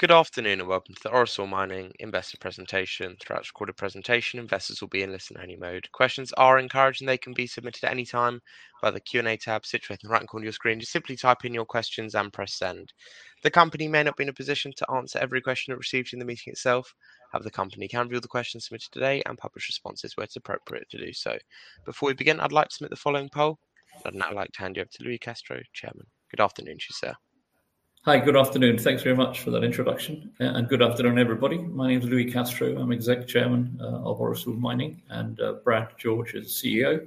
Good afternoon and welcome to the Orosur Mining investor presentation. Throughout this recorded presentation, investors will be in listen-only mode. Questions are encouraged, and they can be submitted at any time via the Q&A tab situated in the right corner of your screen. Just simply type in your questions and press Send. The company may not be in a position to answer every question it receives during the meeting itself. However, the company can review the questions submitted today and publish responses where it's appropriate to do so. Before we begin, I'd like to submit the following poll. I'd now like to hand you over to Louis Castro, Chairman. Good afternoon to you, sir. Hi. Good afternoon. Thanks very much for that introduction. Good afternoon, everybody. My name is Louis Castro. I'm Executive Chairman of Orosur Mining, and Brad George is CEO.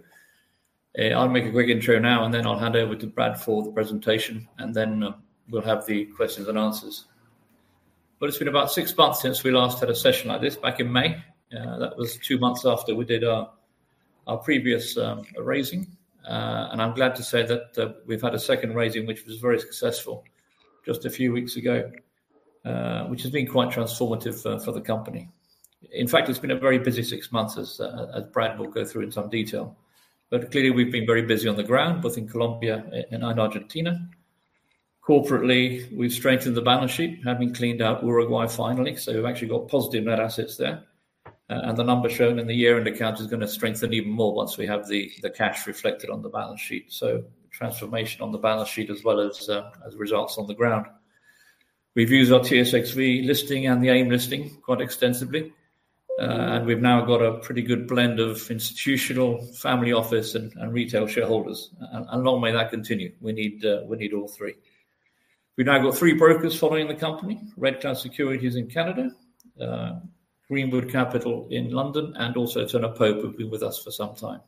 I'll make a quick intro now, and then I'll hand over to Brad for the presentation, and then we'll have the questions and answers. Well, it's been about six months since we last had a session like this back in May. That was two months after we did our previous raising. I'm glad to say that we've had a second raising, which was very successful just a few weeks ago, which has been quite transformative for the company. In fact, it's been a very busy six months, as Brad will go through in some detail. Clearly we've been very busy on the ground, both in Colombia and Argentina. Corporately, we've strengthened the balance sheet, having cleaned out Uruguay finally. We've actually got positive net assets there. And the number shown in the year-end account is gonna strengthen even more once we have the cash reflected on the balance sheet. Transformation on the balance sheet as well as results on the ground. We've used our TSX-V listing and the AIM listing quite extensively, and we've now got a pretty good blend of institutional, family office, and retail shareholders. And long may that continue. We need all three. We've now got three brokers following the company. Red Cloud Securities in Canada, Greenwood Capital in London, and also Turner Pope who've been with us for some time.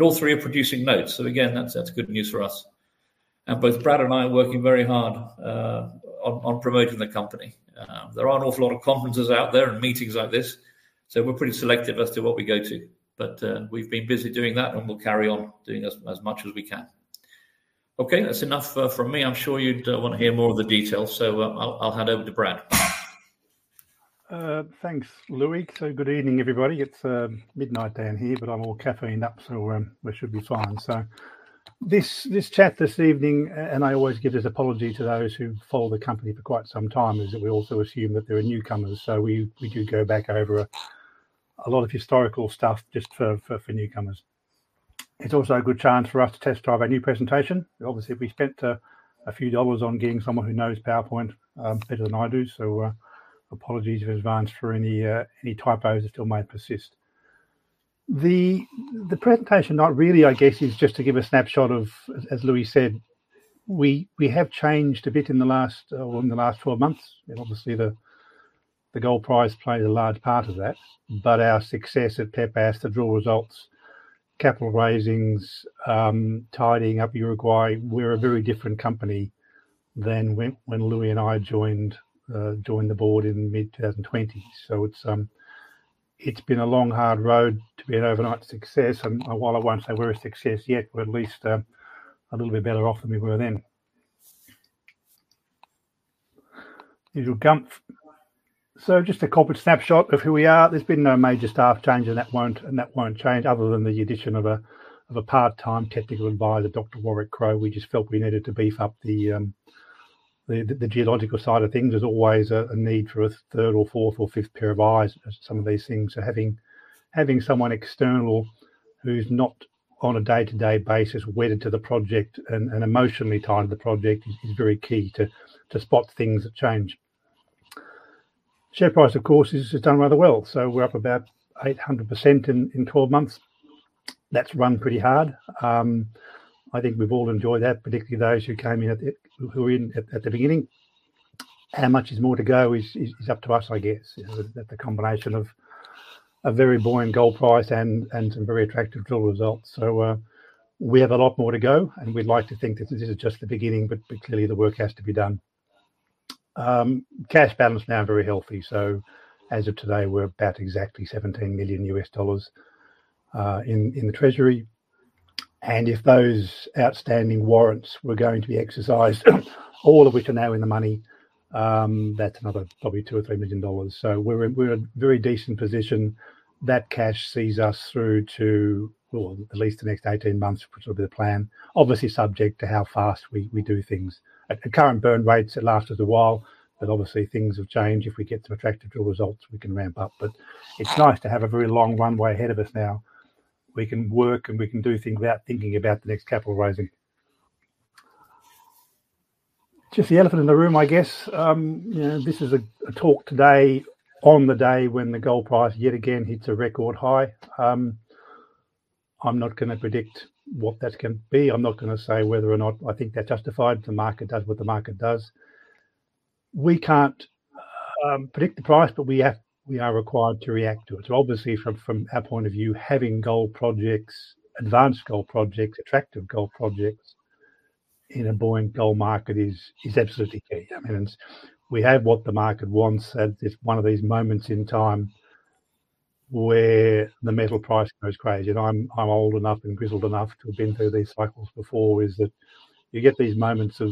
All three are producing notes, so again, that's good news for us. Both Brad and I are working very hard on promoting the company. There are an awful lot of conferences out there and meetings like this, so we're pretty selective as to what we go to. We've been busy doing that, and we'll carry on doing as much as we can. Okay. That's enough from me. I'm sure you'd wanna hear more of the details, so I'll hand over to Brad. Thanks, Louis. Good evening, everybody. It's midnight down here, but I'm all caffeinated up, so we should be fine. This chat this evening, and I always give this apology to those who've followed the company for quite some time, is that we also assume that there are newcomers. We do go back over a lot of historical stuff just for newcomers. It's also a good chance for us to test drive our new presentation. Obviously, we spent a few dollars on getting someone who knows PowerPoint better than I do, so apologies in advance for any typos that still may persist. The presentation really, I guess, is just to give a snapshot of, as Louis said, we have changed a bit in the last 12 months. Obviously the gold price played a large part of that, but our success at Pepas, the drill results, capital raisings, tidying up Uruguay. We're a very different company than when Louis and I joined the board in mid-2020. It's been a long, hard road to be an overnight success. While I won't say we're a success yet, we're at least a little bit better off than we were then. Usual gumpf. Just a corporate snapshot of who we are. There's been no major staff changes, and that won't change other than the addition of a part-time technical advisor, Dr. Warwick Crowe. We just felt we needed to beef up the geological side of things. There's always a need for a third or fourth or fifth pair of eyes as some of these things. Having someone external who's not on a day-to-day basis wedded to the project and emotionally tied to the project is very key to spot things that change. Share price, of course, has done rather well. We're up about 800% in 12 months. That's run pretty hard. I think we've all enjoyed that, particularly those who were in at the beginning. How much more is to go is up to us, I guess. You know, the combination of a very buoyant gold price and some very attractive drill results. We have a lot more to go, and we'd like to think that this is just the beginning, but clearly the work has to be done. Cash balance now very healthy. As of today, we're about exactly $17 million in the treasury. If those outstanding warrants were going to be exercised, all of which are now in the money, that's another probably $2 million or $3 million. We're in a very decent position. That cash sees us through to, well, at least the next 18 months, which will be the plan, obviously subject to how fast we do things. At the current burn rates, it lasted a while, but obviously things have changed. If we get some attractive drill results, we can ramp up. It's nice to have a very long runway ahead of us now. We can work and we can do things without thinking about the next capital raising. Just the elephant in the room, I guess. You know, this is a talk today on the day when the gold price yet again hits a record high. I'm not gonna predict what that's gonna be. I'm not gonna say whether or not I think that's justified. The market does what the market does. We can't predict the price, but we are required to react to it. Obviously from our point of view, having gold projects, advanced gold projects, attractive gold projects in a buoyant gold market is absolutely key. I mean, it's. We have what the market wants at this, one of these moments in time where the metal price goes crazy. I'm old enough and grizzled enough to have been through these cycles before. That is you get these moments of.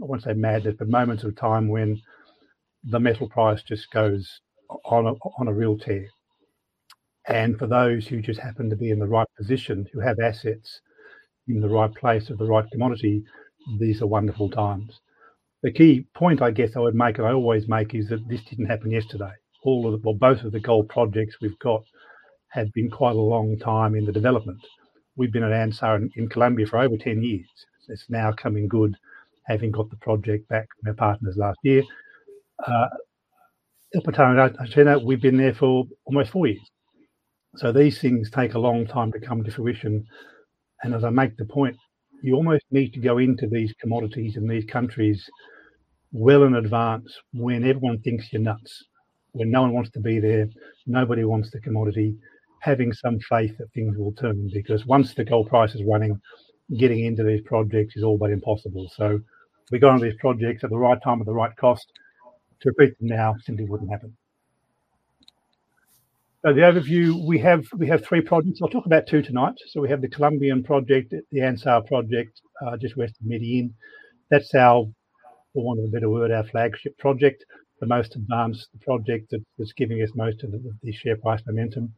I wouldn't say madness, but moments of time when the metal price just goes on a real tear. For those who just happen to be in the right position, who have assets in the right place of the right commodity, these are wonderful times. The key point, I guess, I would make and I always make, is that this didn't happen yesterday. All of the. Well, both of the gold projects we've got have been quite a long time in the development. We've been at Anzá in Colombia for over 10 years. It's now coming good, having got the project back from our partners last year. El Pantano in Argentina, we've been there for almost four years. These things take a long time to come to fruition, and as I make the point, you almost need to go into these commodities in these countries well in advance when everyone thinks you're nuts, when no one wants to be there, nobody wants the commodity. Having some faith that things will turn, because once the gold price is running, getting into these projects is all but impossible. We got on these projects at the right time, at the right cost. To repeat them now simply wouldn't happen. The overview, we have three projects. I'll talk about two tonight. We have the Colombian project, the Anzá project, just west of Medellín. That's our, for want of a better word, our flagship project. The most advanced project that was giving us most of the share price momentum.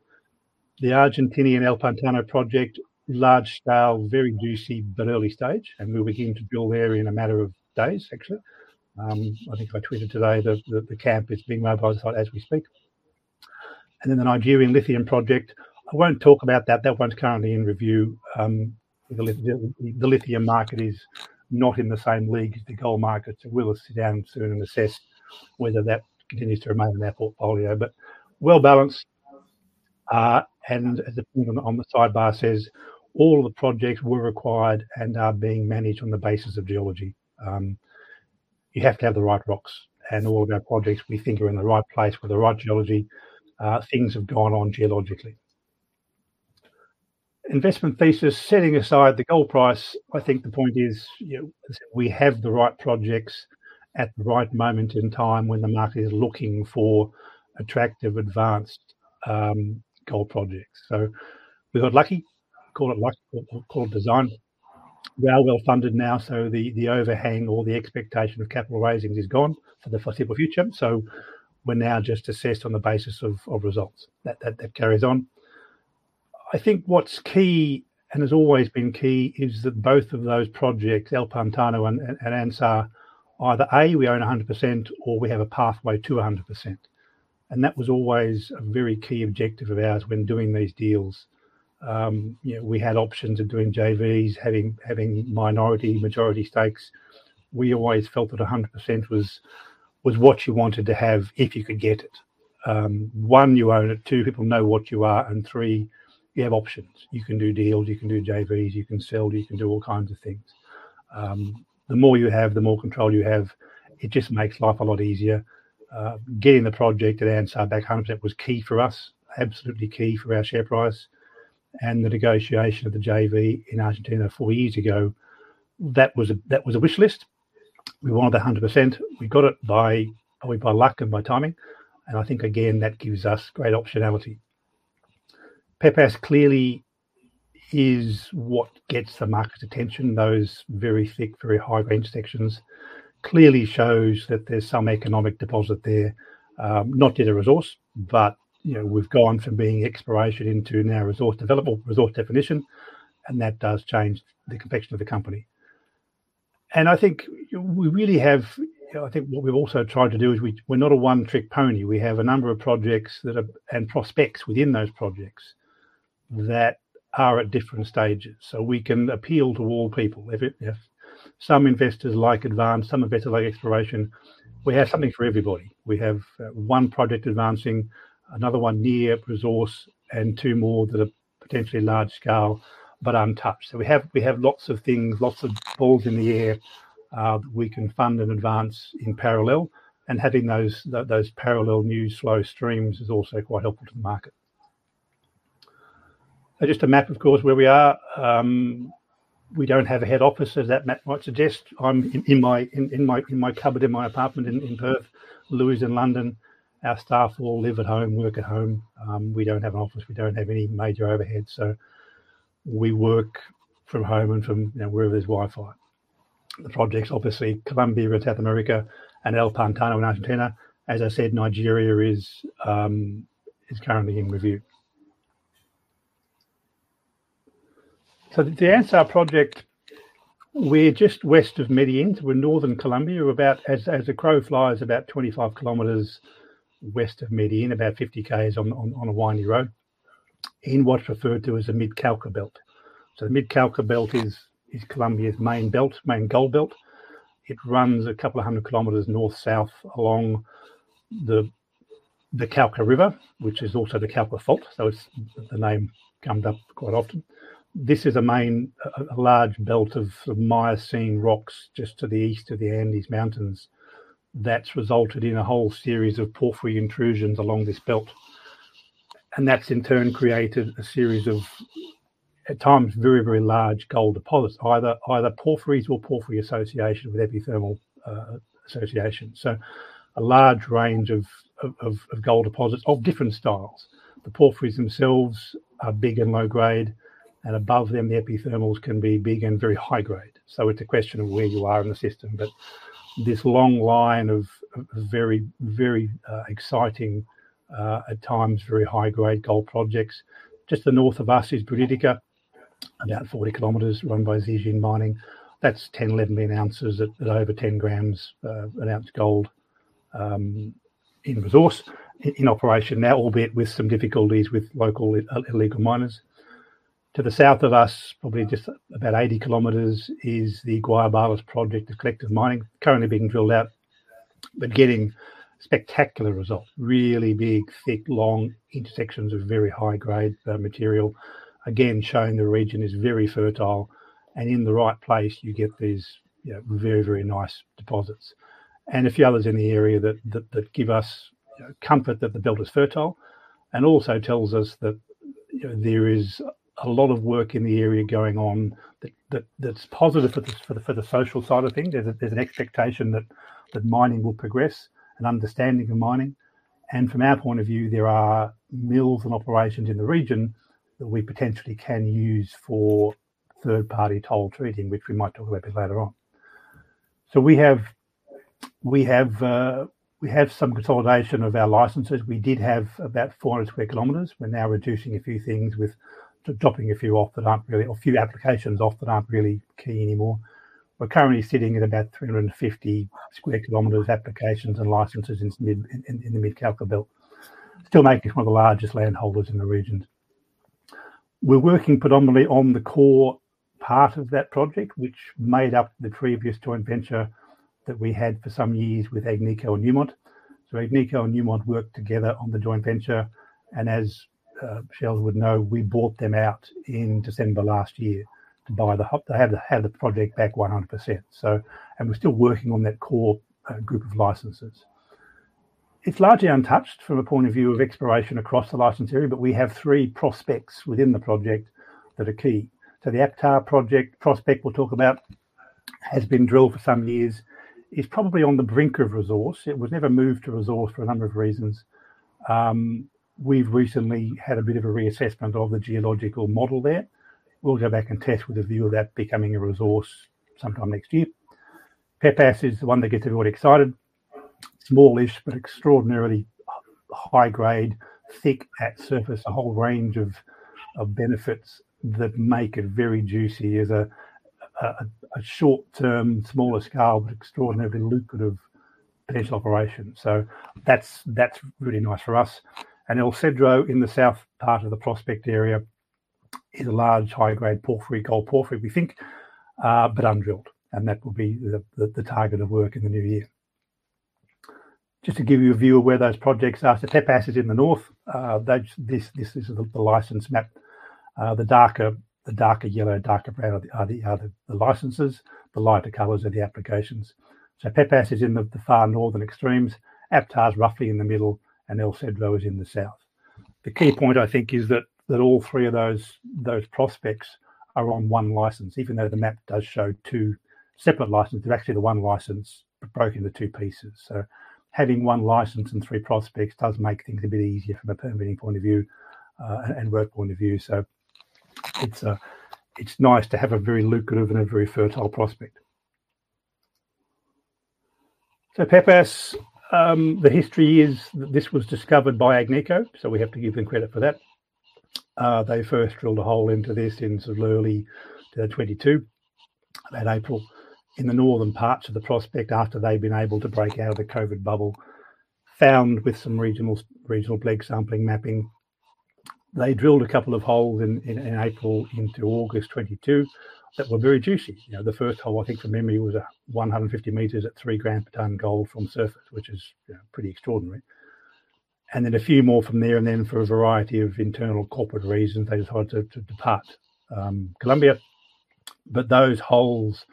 The Argentine El Pantano project, large scale, very juicy, but early stage. We'll be keen to drill there in a matter of days, actually. I think I tweeted today that the camp is being mobilized as we speak. Then the Nigerian lithium project, I won't talk about that. That one's currently in review. The lithium market is not in the same league as the gold market. We will sit down soon and assess whether that continues to remain in our portfolio. Well-balanced, and as the thing on the sidebar says, all the projects were acquired and are being managed on the basis of geology. You have to have the right rocks. All of our projects, we think, are in the right place with the right geology. Things have gone on geologically. Investment thesis. Setting aside the gold price, I think the point is, you know, is that we have the right projects at the right moment in time when the market is looking for attractive, advanced gold projects. We got lucky. Call it luck. Call it design. We are well funded now, so the overhang or the expectation of capital raising is gone for the foreseeable future. We're now just assessed on the basis of results. That carries on. I think what's key, and has always been key, is that both of those projects, El Pantano and Anzá, either A, we own 100%, or we have a pathway to 100%. That was always a very key objective of ours when doing these deals. You know, we had options of doing JVs, having minority, majority stakes. We always felt that 100% was what you wanted to have if you could get it. One, you own it. Two, people know what you are. Three, you have options. You can do deals. You can do JVs. You can sell. You can do all kinds of things. The more you have, the more control you have. It just makes life a lot easier. Getting the project at Anzá back 100% was key for us. Absolutely key for our share price. The negotiation of the JV in Argentina four years ago, that was a wish list. We wanted 100%. We got it probably by luck and by timing. I think, again, that gives us great optionality. Pepas clearly is what gets the market attention. Those very thick, very high-range sections clearly shows that there's some economic deposit there. Not yet a resource, but you know, we've gone from being exploration into now resource developable, resource definition, and that does change the complexion of the company. I think we really have. You know, I think what we've also tried to do is we're not a one-trick pony. We have a number of projects that are and prospects within those projects that are at different stages. So we can appeal to all people. If some investors like advanced, some investors like exploration, we have something for everybody. We have one project advancing, another one near resource, and two more that are potentially large scale but untouched. We have lots of things, lots of balls in the air that we can fund and advance in parallel. Having those parallel news flow streams is also quite helpful to the market. Just a map, of course, where we are. We don't have a head office, as that map might suggest. I'm in my cupboard in my apartment in Perth. Louis in London. Our staff all live at home, work at home. We don't have an office. We don't have any major overheads. We work from home and from, you know, wherever there's Wi-Fi. The projects, obviously, Colombia, South America, and El Pantano in Argentina. As I said, Nigeria is currently in review. The Anzá project, we're just west of Medellín. We're northern Colombia. We're about as the crow flies about 25 km west of Medellín, about 50 km on a windy road, in what's referred to as the Mid Cauca Belt. The Mid Cauca Belt is Colombia's main belt, main gold belt. It runs a couple of 100 km north-south along the Cauca River, which is also the Cauca Fault. The name comes up quite often. This is a large belt of Miocene rocks just to the east of the Andes Mountains. That's resulted in a whole series of porphyry intrusions along this belt. That's, in turn, created a series of, at times, very large gold deposits, either porphyries or porphyry association with epithermal association. A large range of gold deposits of different styles. The porphyries themselves are big and low-grade, and above them the epithermals can be big and very high-grade. It's a question of where you are in the system. This long line of very exciting, at times very high-grade gold projects. Just to the north of us is Buriticá, about 40 km run by Zijin Mining. That's 10 million-11 million ounces at over 10 g per tonne gold in resource. In operation now, albeit with some difficulties with local illegal miners. To the south of us, probably just about 80 km, is the Guayabales project of Collective Mining. Currently being drilled out, getting spectacular results. Really big, thick, long intersections of very high-grade material. Again, showing the region is very fertile, and in the right place you get these, you know, very nice deposits. A few others in the area that give us, you know, comfort that the belt is fertile, and also tells us that, you know, there is a lot of work in the area going on that's positive for the social side of things. There's an expectation that mining will progress and understanding of mining. From our point of view, there are mills and operations in the region that we potentially can use for third-party toll treating, which we might talk about a bit later on. We have some consolidation of our licenses. We did have about 400 sq km. We're now reducing a few things with dropping a few off that aren't really or a few applications off that aren't really key anymore. We're currently sitting at about 350 sq km applications and licenses in the Mid Cauca Belt. Still making us one of the largest land holders in the region. We're working predominantly on the core part of that project, which made up the previous joint venture that we had for some years with Agnico and Newmont. Agnico and Newmont worked together on the joint venture, and as Michelle would know, we bought them out in December last year to have the project back 100%. We're still working on that core group of licenses. It's largely untouched from a point of view of exploration across the license area, but we have three prospects within the project that are key. The APTA prospect we'll talk about has been drilled for some years. It's probably on the brink of resource. It was never moved to resource for a number of reasons. We've recently had a bit of a reassessment of the geological model there. We'll go back and test with a view of that becoming a resource sometime next year. Pepas is the one that gets everybody excited. Smallish, but extraordinarily high grade, thick at surface. A whole range of benefits that make it very juicy as a short term, smaller scale, but extraordinarily lucrative potential operation. That's really nice for us. El Cedro in the south part of the prospect area is a large high grade porphyry gold. Porphyry, we think, but undrilled, and that will be the target of work in the new year. Just to give you a view of where those projects are. Pepas is in the north. This is the license map. The darker yellow, darker brown are the licenses. The lighter colors are the applications. Pepas is in the far northern extremes. APTA is roughly in the middle, and El Cedro is in the south. The key point I think is that all three of those prospects are on one license. Even though the map does show two separate licenses, they're actually the one license broken into two pieces. Having one license and three prospects does make things a bit easier from a permitting point of view, and work point of view. It's nice to have a very lucrative and a very fertile prospect. Pepas, the history is that this was discovered by Agnico, we have to give them credit for that. They first drilled a hole into this in sort of early 2022, about April, in the northern parts of the prospect, after they'd been able to break out of the COVID bubble. Following some regional bulk sampling mapping. They drilled a couple of holes in April into August 2022 that were very juicy. You know, the first hole, I think from memory, was 150 m at 3 gram per ton gold from surface, which is, you know, pretty extraordinary. A few more from there. For a variety of internal corporate reasons, they decided to depart Colombia. Those holes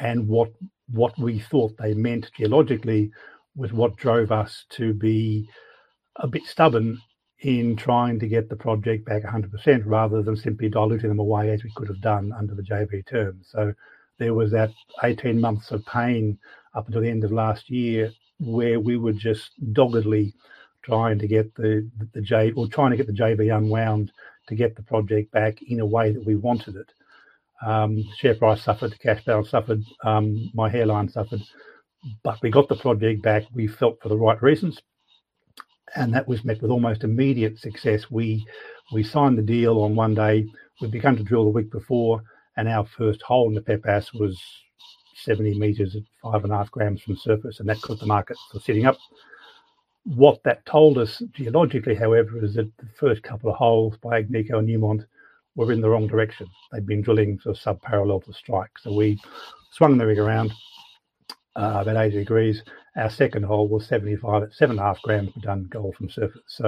and what we thought they meant geologically was what drove us to be a bit stubborn in trying to get the project back 100%, rather than simply diluting them away as we could have done under the JV terms. There was that 18 months of pain up until the end of last year where we were just doggedly trying to get the JV unwound to get the project back in a way that we wanted it. Share price suffered, cash balance suffered, my hairline suffered. We got the project back, we felt for the right reasons, and that was met with almost immediate success. We signed the deal on one day. We'd begun to drill the week before, and our first hole in the Pepas was 70 m at 5.5 g from surface, and that got the market sitting up. What that told us geologically, however, is that the first couple of holes by Agnico and Newmont were in the wrong direction. They'd been drilling sort of subparallel to strike. We swung the rig around about 80 degrees. Our second hole was 75 m at 7.5 g per ton gold from surface.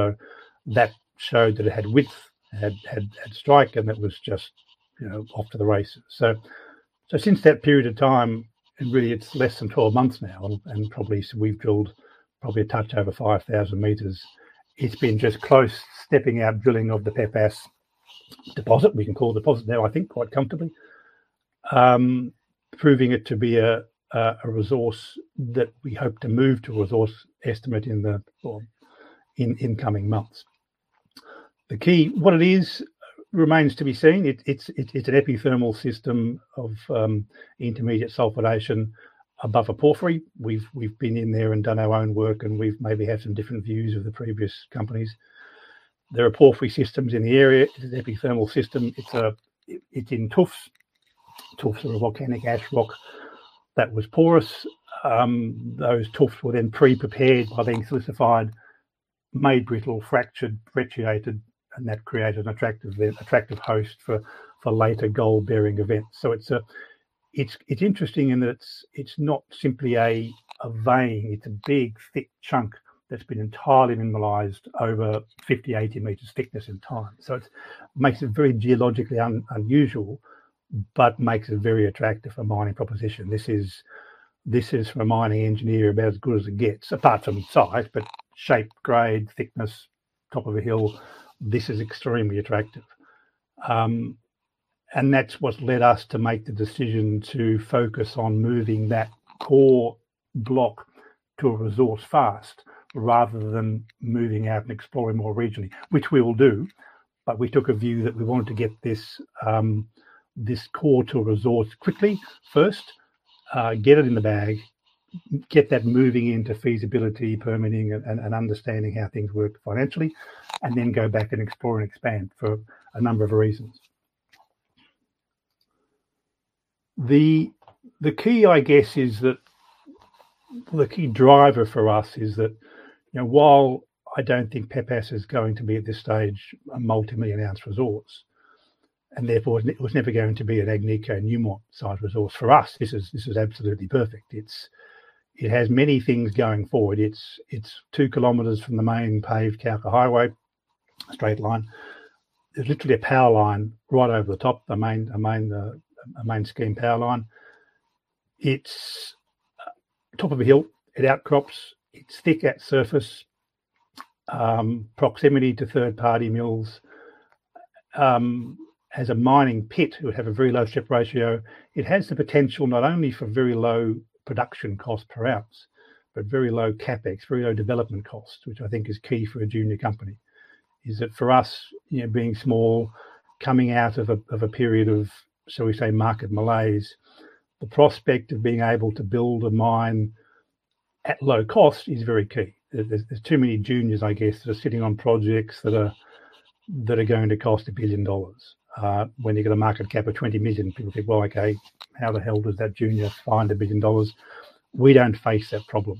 That showed that it had width, it had strike, and it was just, you know, off to the races. Since that period of time, and really it's less than 12 months now and probably we've drilled probably a touch over 5,000 m, it's been just close stepping out drilling of the Pepas Deposit. We can call it a deposit now, I think, quite comfortably, proving it to be a resource that we hope to move to a resource estimate in coming months. The key, what it is remains to be seen. It's an epithermal system of intermediate sulfidation above a porphyry. We've been in there and done our own work, and we've maybe had some different views of the previous companies. There are porphyry systems in the area. It is an epithermal system. It's in tuffs. Tuffs are a volcanic ash rock that was porous. Those tuffs were then pre-prepared by being silicified, made brittle, fractured, brecciated, and that created an attractive host for later gold-bearing events. It's interesting in that it's not simply a vein. It's a big, thick chunk that's been entirely mineralized over 50 m-80 m thickness in time. It makes it very geologically unusual but makes it very attractive for mining proposition. This is for a mining engineer about as good as it gets, apart from size, but shape, grade, thickness, top of a hill, this is extremely attractive. That's what led us to make the decision to focus on moving that core block to a resource fast rather than moving out and exploring more regionally, which we will do. We took a view that we wanted to get this core to a resource quickly first, get it in the bag, get that moving into feasibility, permitting and understanding how things work financially, and then go back and explore and expand for a number of reasons. The key, I guess, is that the key driver for us is that, you know, while I don't think Pepas is going to be at this stage a multi-million ounce resource, and therefore it was never going to be an Agnico Eagle or Newmont-sized resource, for us, this is absolutely perfect. It has many things going for it. It's 2 km from the main paved Cauca highway, straight line. There's literally a power line right over the top, the main scheme power line. It's top of a hill. It outcrops. It's thick at surface. Proximity to third-party mills. As a mining pit, it would have a very low strip ratio. It has the potential not only for very low production cost per ounce, but very low CapEx, very low development cost, which I think is key for a junior company. That for us, you know, being small, coming out of a period of, shall we say, market malaise, the prospect of being able to build a mine at low cost is very key. There's too many juniors, I guess, that are sitting on projects that are going to cost $1 billion. When you've got a market cap of $20 million, people think, "Well, okay, how the hell does that junior find a billion dollars?" We don't face that problem.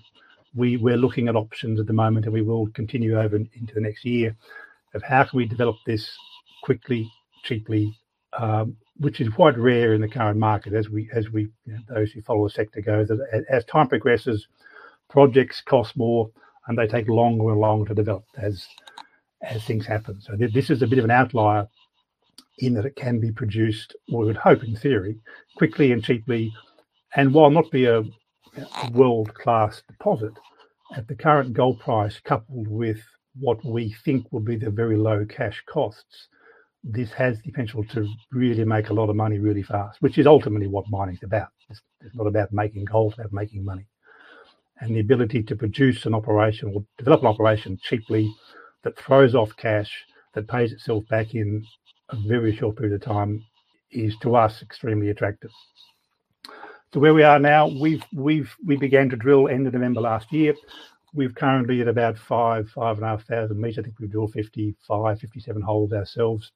We're looking at options at the moment, and we will continue over into the next year of how can we develop this quickly, cheaply, which is quite rare in the current market as we. Those who follow the sector know that as time progresses, projects cost more, and they take longer and longer to develop as things happen. This is a bit of an outlier in that it can be produced, or we would hope in theory, quickly and cheaply. While not be a world-class deposit at the current gold price coupled with what we think will be the very low cash costs, this has the potential to really make a lot of money really fast, which is ultimately what mining's about. It's not about making gold, it's about making money. The ability to produce an operation or develop an operation cheaply that throws off cash, that pays itself back in a very short period of time is, to us, extremely attractive. Where we are now, we began to drill end of November last year. We're currently at about 5,500 m. I think we drill 55-57 holes ourselves.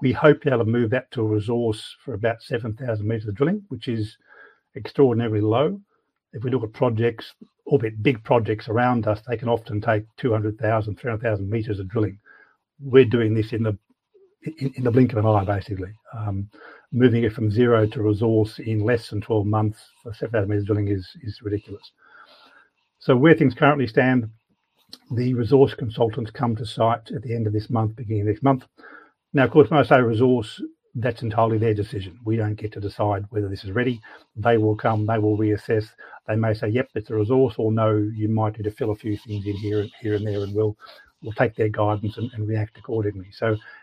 We hope to be able to move that to a resource for about 7,000 m of drilling, which is extraordinarily low. If we look at projects, albeit big projects around us, they can often take 200,000 m-300,000 m of drilling. We're doing this in the blink of an eye, basically. Moving it from zero to resource in less than 12 months for 7,000 m of drilling is ridiculous. Where things currently stand, the resource consultants come to site at the end of this month, beginning of next month. Now, of course, when I say resource, that's entirely their decision. We don't get to decide whether this is ready. They will come. They will reassess. They may say, "Yep, it's a resource," or, "No, you might need to fill a few things in here and there," and we'll take their guidance and react accordingly.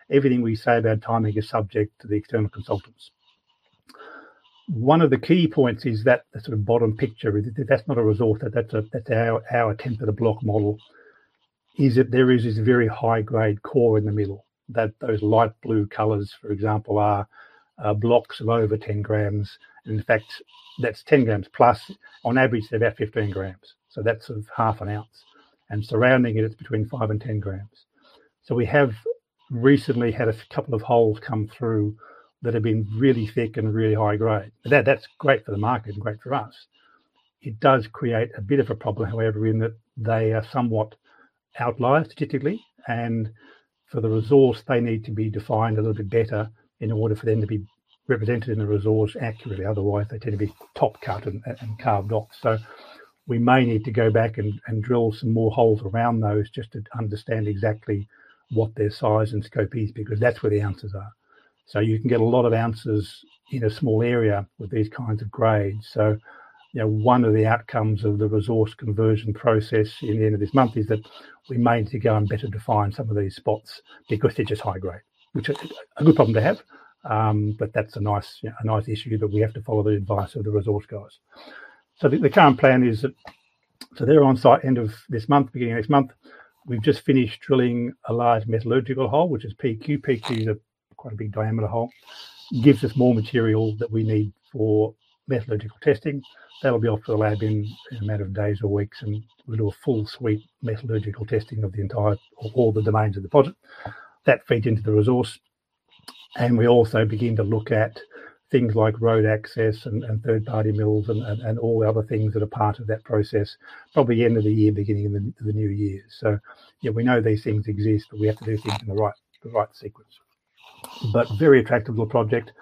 Everything we say about timing is subject to the external consultants. One of the key points is that the sort of bottom picture, that's not a resource, that's our attempt at a block model, is that there is this very high-grade core in the middle. Those light blue colors, for example, are blocks of over 10 g. In fact, that's 10 g+. On average, they're about 15 g, so that's sort of half an ounce. Surrounding it is between 5 g and 10 g. We have recently had a couple of holes come through that have been really thick and really high grade. That's great for the market and great for us. It does create a bit of a problem, however, in that they are somewhat outliers statistically, and for the resource, they need to be defined a little bit better in order for them to be represented in the resource accurately. Otherwise, they tend to be top cut and carved off. We may need to go back and drill some more holes around those just to understand exactly what their size and scope is, because that's where the answers are. You can get a lot of answers in a small area with these kinds of grades. You know, one of the outcomes of the resource conversion process in the end of this month is that we may need to go and better define some of these spots because they're just high grade, which is a good problem to have. That's a nice, you know, a nice issue, but we have to follow the advice of the resource guys. The current plan is that, so they're on site end of this month, beginning of next month. We've just finished drilling a large metallurgical hole, which is PQ. PQ is a quite a big diameter hole. Gives us more material that we need for metallurgical testing. That'll be off to the lab in a matter of days or weeks, and we'll do a full sweep metallurgical testing of all the domains of the project. That feeds into the resource. We also begin to look at things like road access and third-party mills and all the other things that are part of that process. Probably end of the year, beginning of the new year. Yeah, we know these things exist, but we have to do things in the right sequence. Very attractive little project.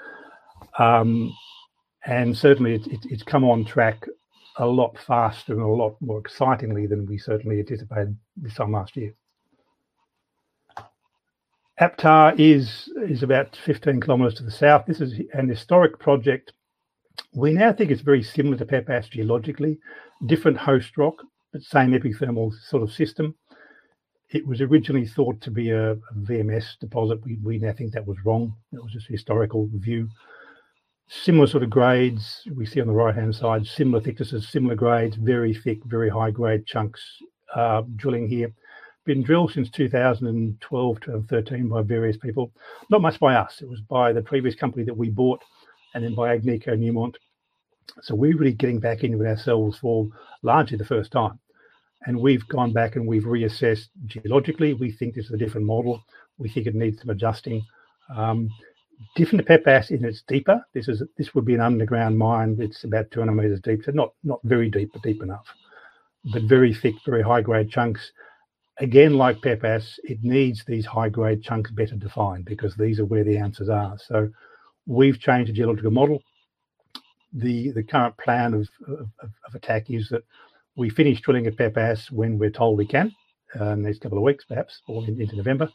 Certainly it's come on track a lot faster and a lot more excitingly than we certainly anticipated this time last year. APTA is about 15 km to the south. This is an historic project. We now think it's very similar to Pepas geologically. Different host rock, but same epithermal sort of system. It was originally thought to be a VMS deposit. We now think that was wrong. That was just a historical view. Similar sort of grades we see on the right-hand side. Similar thicknesses, similar grades. Very thick, very high grade chunks, drilling here. Been drilled since 2012 to 2013 by various people. Not much by us. It was by the previous company that we bought, and then by Agnico Eagle and Newmont. We're really getting back in with ourselves for largely the first time, and we've gone back and we've reassessed. Geologically, we think this is a different model. We think it needs some adjusting. Different to Pepas in it's deeper. This would be an underground mine. It's about 200 m deep. Not very deep, but deep enough. Very thick, very high grade chunks. Again, like Pepas, it needs these high grade chunks better defined, because these are where the answers are. We've changed the geological model. The current plan of attacking is that we finish drilling at Pepas when we're told we can in the next couple of weeks perhaps, or into November.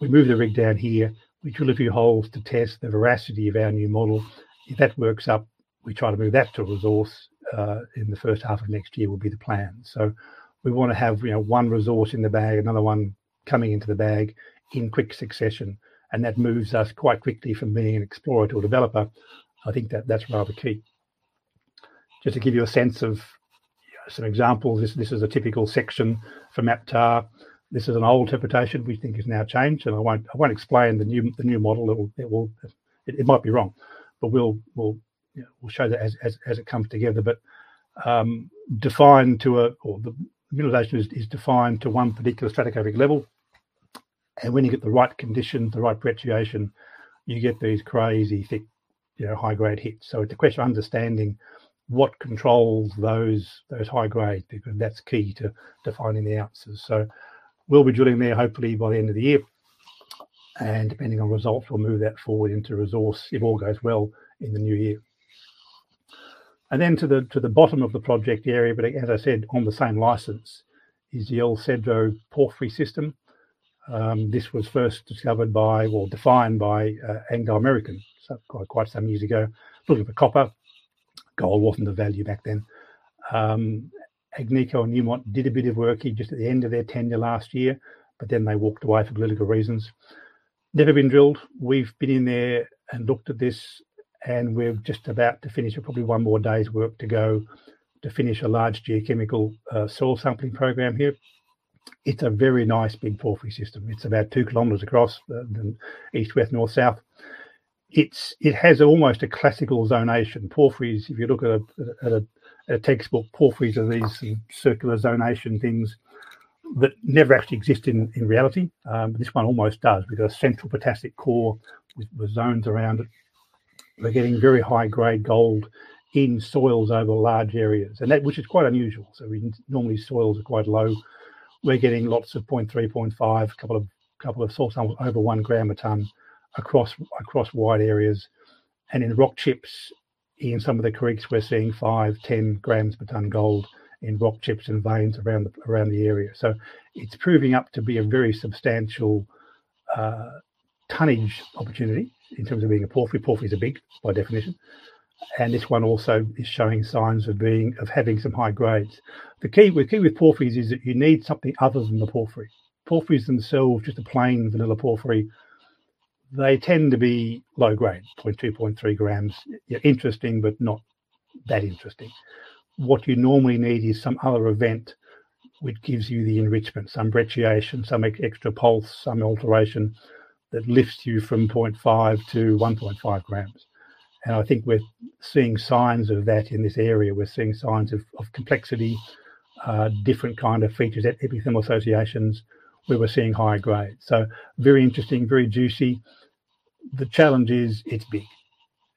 We move the rig down here. We drill a few holes to test the veracity of our new model. If that works out, we try to move that to a resource in the first half of next year will be the plan. We wanna have, you know, one resource in the bag, another one coming into the bag in quick succession, and that moves us quite quickly from being an explorer to a developer. I think that that's rather key. Just to give you a sense of, you know, some examples, this is a typical section from APTA. This is an old interpretation we think has now changed, and I won't explain the new model. It might be wrong. But we'll show that as it comes together. Or the mineralization is defined to one particular stratigraphic level. When you get the right conditions, the right brecciation, you get these crazy thick, you know, high grade hits. It's a question of understanding what controls those high grades, because that's key to defining the answers. We'll be drilling there hopefully by the end of the year. Depending on results, we'll move that forward into resource if all goes well in the new year. To the bottom of the project area, but as I said, on the same license, is the El Cedro porphyry system. This was first discovered by or defined by Anglo American, so quite some years ago. Looking for copper. Gold wasn't of value back then. Agnico Eagle and Newmont did a bit of work here just at the end of their tenure last year, but then they walked away for political reasons. Never been drilled. We've been in there and looked at this, and we're just about to finish. We've probably one more day's work to go to finish a large geochemical soil sampling program here. It's a very nice big porphyry system. It's about 2 km across, east, west, north, south. It has almost a classical zonation. Porphyry is, if you look at a textbook, porphyry are these circular zonation things that never actually exist in reality. But this one almost does. We've got a central potassic core with zones around it. We're getting very high grade gold in soils over large areas and that which is quite unusual. Normally, soils are quite low. We're getting lots of 0.3, 0.5. Couple of soil samples over 1 g a tonne across wide areas. In rock chips, in some of the creeks, we're seeing 5 g, 10 g per tonne gold in rock chips and veins around the area. It's proving up to be a very substantial tonnage opportunity in terms of being a porphyry. Porphyry is a big by definition, and this one also is showing signs of being. Of having some high grades. The key with porphyry is that you need something other than the porphyry. Porphyry themselves, just a plain vanilla porphyry, they tend to be low grade, 0.2 g, 0.3 g. Interesting, but not that interesting. What you normally need is some other event which gives you the enrichment, some brecciation, some extra pulse, some alteration that lifts you from 0.5 g to 1.5 g. I think we're seeing signs of that in this area. We're seeing signs of complexity, different kind of features, epithermal associations, where we're seeing higher grades. Very interesting, very juicy. The challenge is it's big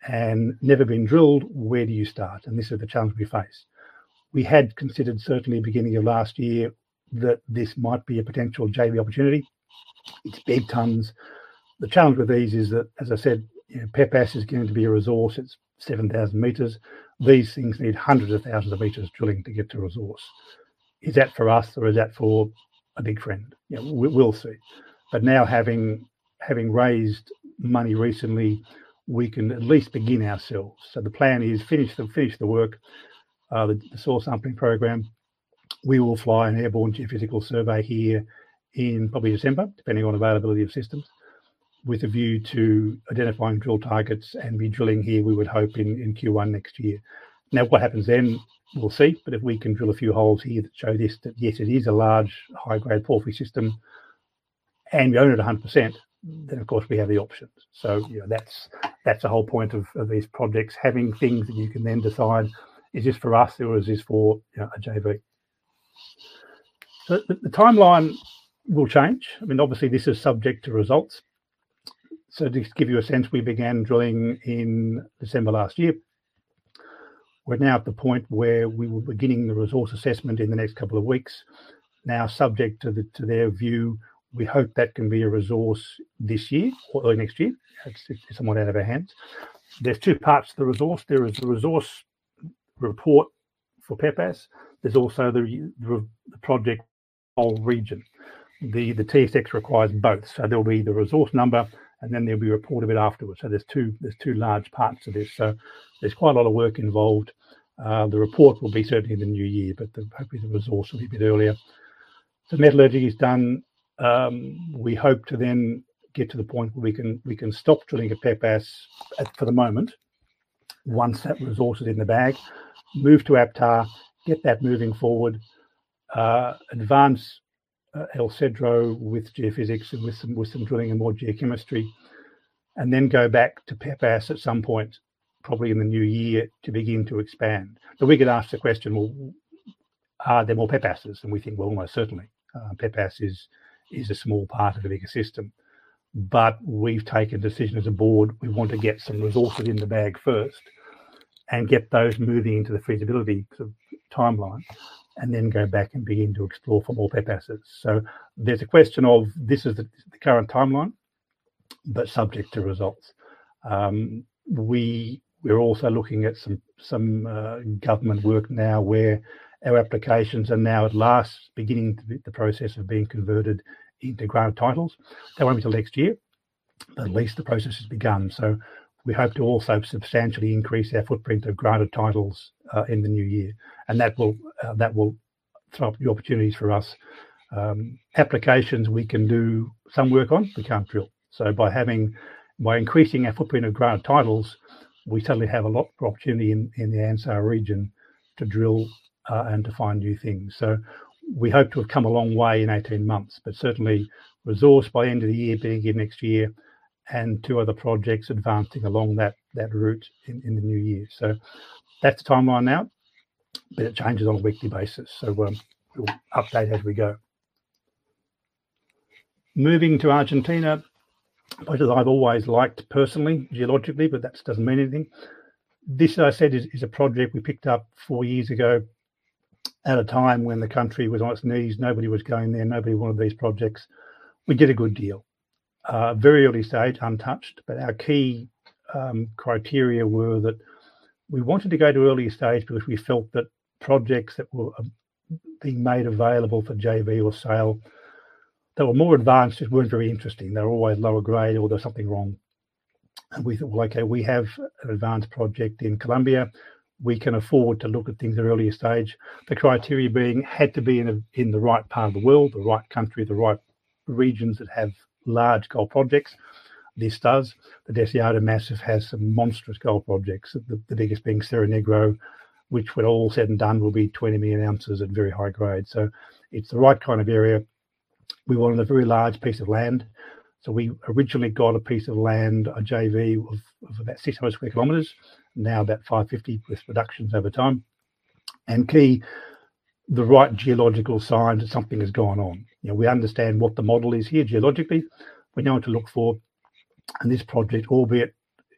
and never been drilled. Where do you start? This is the challenge we face. We had considered certainly beginning of last year that this might be a potential JV opportunity. It's big tonnes. The challenge with these is that, as I said, you know, Pepas is going to be a resource. It's 7,000 m. These things need hundreds of thousands of meters drilling to get to resource. Is that for us or is that for a big friend? You know, we'll see. Now having raised money recently, we can at least begin ourselves. The plan is to finish the work, the soil sampling program. We will fly an airborne geophysical survey here in probably December, depending on availability of systems, with a view to identifying drill targets and be drilling here, we would hope, in Q1 next year. Now, what happens then, we'll see. If we can drill a few holes here that show this, that yes, it is a large high-grade porphyry system and we own it 100%, then of course we have the options. You know, that's the whole point of these projects, having things that you can then decide, is this for us or is this for, yeah, a JV. The timeline will change. I mean, obviously this is subject to results. Just to give you a sense, we began drilling in December last year. We're now at the point where we will be beginning the resource assessment in the next couple of weeks. Now, subject to their view, we hope that can be a resource this year or early next year. That's somewhat out of our hands. There's two parts to the resource. There is the resource report for Pepas. There's also the resource report for the project, the whole region. The TSX requires both. There'll be the resource number, and then there'll be a report of it afterwards. There's two large parts to this. There's quite a lot of work involved. The report will be certainly in the new year, but hopefully the resource will be a bit earlier. The metallurgy is done. We hope to then get to the point where we can stop drilling at Pepas for the moment. Once that resource is in the bag, move to APTA, get that moving forward. Advance El Cedro with geophysics and with some drilling and more geochemistry, and then go back to Pepas at some point, probably in the new year, to begin to expand. We get asked the question, "Well, are there more Pepas?" We think, well, almost certainly. Pepas is a small part of a bigger system. We've taken a decision as a board. We want to get some resources in the bag first and get those moving into the feasibility sort of timeline, and then go back and begin to explore for more Pepas. There's a question of this is the current timeline, but subject to results. We're also looking at some government work now where our applications are now at last beginning the process of being converted into granted titles. That won't be till next year, but at least the process has begun. We hope to also substantially increase our footprint of granted titles in the new year, and that will open up new opportunities for us. Applications we can do some work on, we can't drill. By having, by increasing our footprint of granted titles, we certainly have a lot of opportunity in the Anzá region to drill and to find new things. We hope to have come a long way in 18 months. Certainly resource by end of the year, beginning of next year, and two other projects advancing along that route in the new year. That's the timeline now, but it changes on a weekly basis. We will update as we go. Moving to Argentina, a place I've always liked personally, geologically, but that doesn't mean anything. This, as I said, is a project we picked up four years ago at a time when the country was on its knees. Nobody was going there. Nobody wanted these projects. We did a good deal. Very early stage, untouched, but our key criteria were that we wanted to go to early stage because we felt that projects that were being made available for JV or sale that were more advanced just weren't very interesting. They're always lower grade or there's something wrong. We thought, well, okay, we have an advanced project in Colombia. We can afford to look at things at an earlier stage. The criteria being, had to be in the right part of the world, the right country, the right regions that have large gold projects. This does. The Deseado Massif has some monstrous gold projects. The biggest being Cerro Negro, which when all said and done will be 20 million ounces at very high grade. It's the right kind of area. We wanted a very large piece of land, so we originally got a piece of land, a JV of about 600 sq km. Now about 550 with reductions over time. Key, the right geological signs that something has gone on. You know, we understand what the model is here geologically. We know what to look for. This project, albeit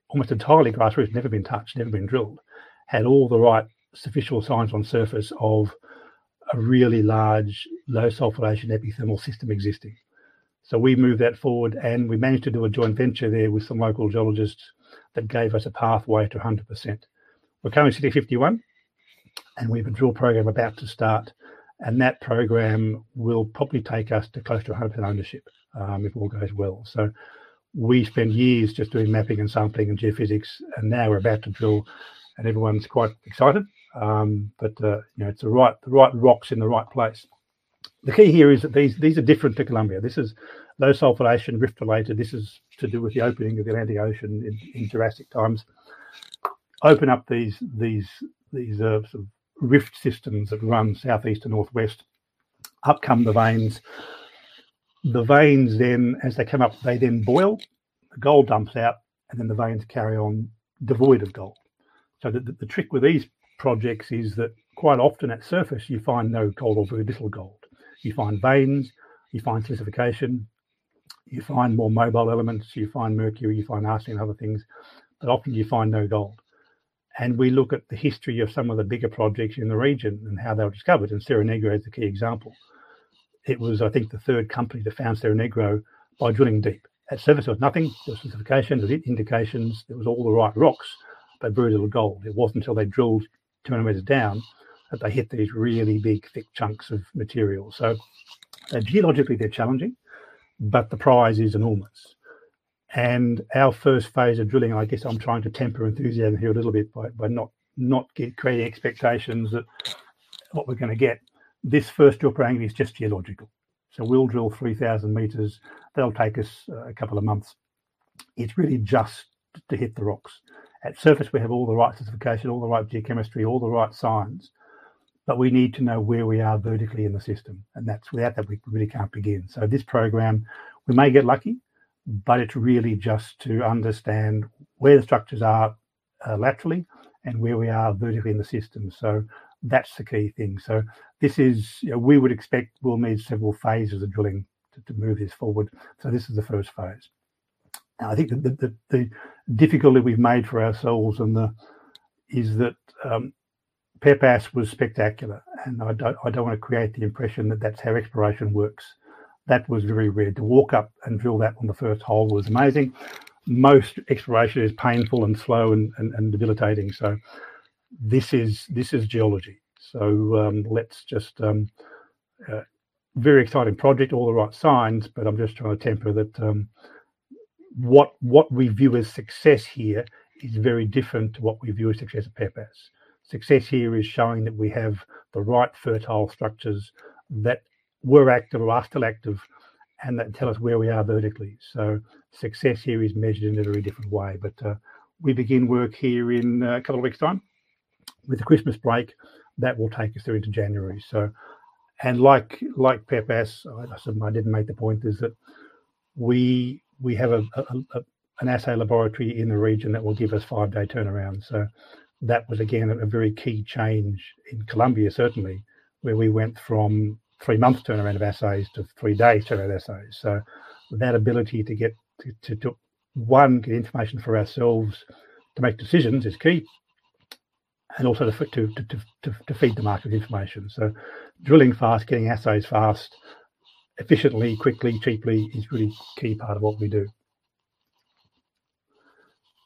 almost entirely grassroots, never been touched, never been drilled, had all the right sufficient signs on surface of a really large low sulfidation epithermal system existing. We moved that forward, and we managed to do a joint venture there with some local geologists that gave us a pathway to 100%. We're currently sitting at 51, and we have a drill program about to start, and that program will probably take us to close to 100% ownership, if all goes well. We spent years just doing mapping and sampling and geophysics, and now we're about to drill, and everyone's quite excited. You know, it's the right rocks in the right place. The key here is that these are different to Colombia. This is low sulfidation rift-related. This is to do with the opening of the Atlantic Ocean in Jurassic times. Open up these sort of rift systems that run southeast to northwest. Up come the veins. The veins then, as they come up, they then boil. The gold dumps out, and then the veins carry on devoid of gold. The trick with these projects is that quite often at surface you find no gold or very little gold. You find veins. You find silicification. You find more mobile elements. You find mercury. You find arsenic and other things. But often you find no gold. We look at the history of some of the bigger projects in the region and how they were discovered, and Cerro Negro is the key example. It was, I think, the third company that found Cerro Negro by drilling deep. At surface it was nothing. There was silicification. There was indications. It was all the right rocks, but very little gold. It wasn't until they drilled 200 m down that they hit these really big, thick chunks of material. Geologically, they're challenging, but the prize is enormous. Our first phase of drilling, I guess I'm trying to temper enthusiasm here a little bit by not creating expectations of what we're gonna get. This first drill program is just geological. We'll drill 3,000 m. That'll take us a couple of months. It's really just to hit the rocks. At surface, we have all the right certification, all the right geochemistry, all the right signs, but we need to know where we are vertically in the system, and that's without that, we really can't begin. This program, we may get lucky, but it's really just to understand where the structures are laterally and where we are vertically in the system. That's the key thing. This is... You know, we would expect we'll need several phases of drilling to move this forward, so this is the first phase. Now I think the difficulty we've made for ourselves is that Pepas was spectacular, and I don't wanna create the impression that that's how exploration works. That was very rare. To walk up and drill that on the first hole was amazing. Most exploration is painful and slow and debilitating. This is geology. Very exciting project, all the right signs, but I'm just trying to temper that, what we view as success here is very different to what we view as success at Pepas. Success here is showing that we have the right fertile structures that were active or are still active and that tell us where we are vertically. Success here is measured in a very different way. We begin work here in a couple of weeks' time. With the Christmas break, that will take us through to January. Like Pepas, I assume I didn't make the point, is that we have an assay laboratory in the region that will give us five day turnaround. That was again a very key change in Colombia, certainly, where we went from three month turnaround of assays to three day turnaround assays. That ability to get information for ourselves to make decisions is key, and also to feed the market with information. Drilling fast, getting assays fast, efficiently, quickly, cheaply is a really key part of what we do.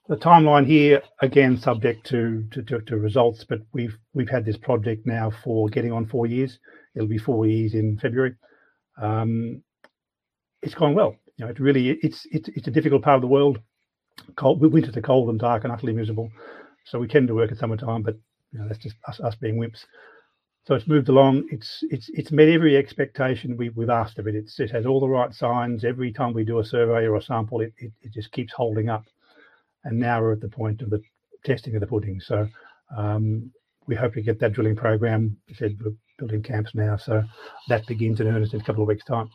The timeline here, again, subject to results, but we've had this project now for getting on four years. It'll be four years in February. It's gone well. You know, it's a difficult part of the world, cold. The winters are cold and dark and utterly miserable, so we tend to work in summertime, but you know, that's just us being wimps. It's moved along. It's met every expectation we've asked of it. It has all the right signs. Every time we do a survey or a sample, it just keeps holding up, and now we're at the point of the testing of the pudding. We hope to get that drilling program. I said we're building camps now, so that begins in earnest in a couple of weeks' time.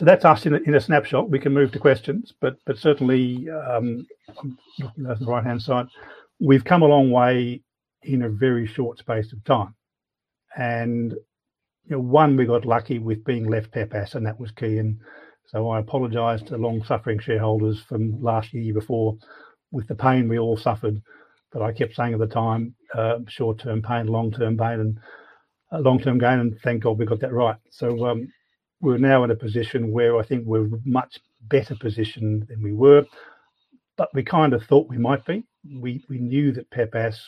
That's us in a snapshot. We can move to questions. Certainly, looking at the right-hand side, we've come a long way in a very short space of time. You know, we got lucky with finding Pepas, and that was key. I apologize to long-suffering shareholders from last year before, with the pain we all suffered. I kept saying at the time, short-term pain for long-term gain, and thank God we got that right. We're now in a position where I think we're much better positioned than we were. We kind of thought we might be. We knew that Pepas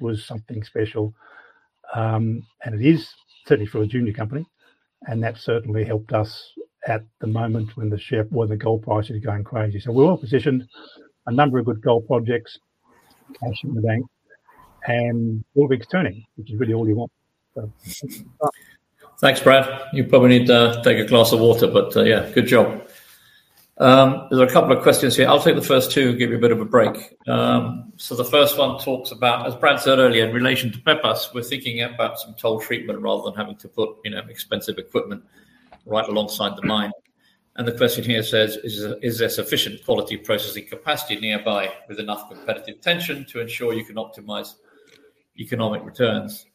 was something special. It is certainly for a junior company, and that certainly helped us at the moment when the gold prices were going crazy. We're well positioned. A number of good gold projects. Cash in the bank. All things turning, which is really all you want. Thanks, Brad. You probably need to take a glass of water. Yeah, good job. There's a couple of questions here. I'll take the first two and give you a bit of a break. The first one talks about, as Brad said earlier, in relation to Pepas, we're thinking about some toll treatment rather than having to put, you know, expensive equipment right alongside the mine. The question here says, "Is there sufficient quality processing capacity nearby with enough competitive tension to ensure you can optimize economic returns?"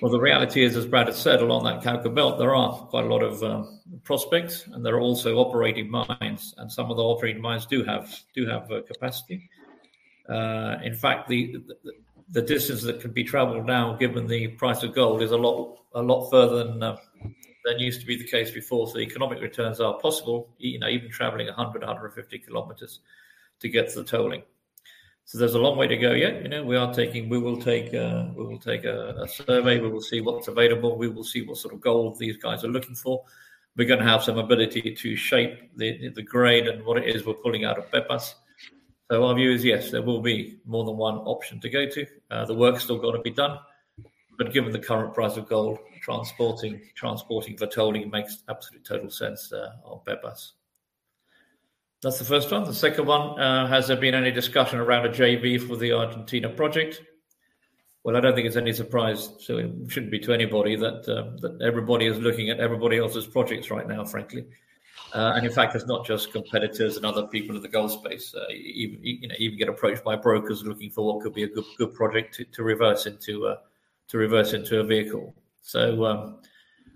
Well, the reality is, as Brad has said, along that Cauca belt, there are quite a lot of prospects, and there are also operating mines, and some of the operating mines do have capacity. In fact, the distance that could be traveled now, given the price of gold, is a lot further than used to be the case before. The economic returns are possible, you know, even traveling 100 km-150 km to get to the tolling. There's a long way to go yet. You know, we will take a survey. We will see what's available. We will see what sort of gold these guys are looking for. We're gonna have some ability to shape the grade and what it is we're pulling out of Pepas. Our view is, yes, there will be more than one option to go to. The work's still gotta be done. Given the current price of gold, transporting for tolling makes absolute total sense on Pepas. That's the first one. The second one, "Has there been any discussion around a JV for the Argentina project?" Well, I don't think it's any surprise, so it shouldn't be to anybody, that everybody is looking at everybody else's projects right now, frankly. In fact, it's not just competitors and other people in the gold space. Even, you know, even get approached by brokers looking for what could be a good project to reverse into a vehicle.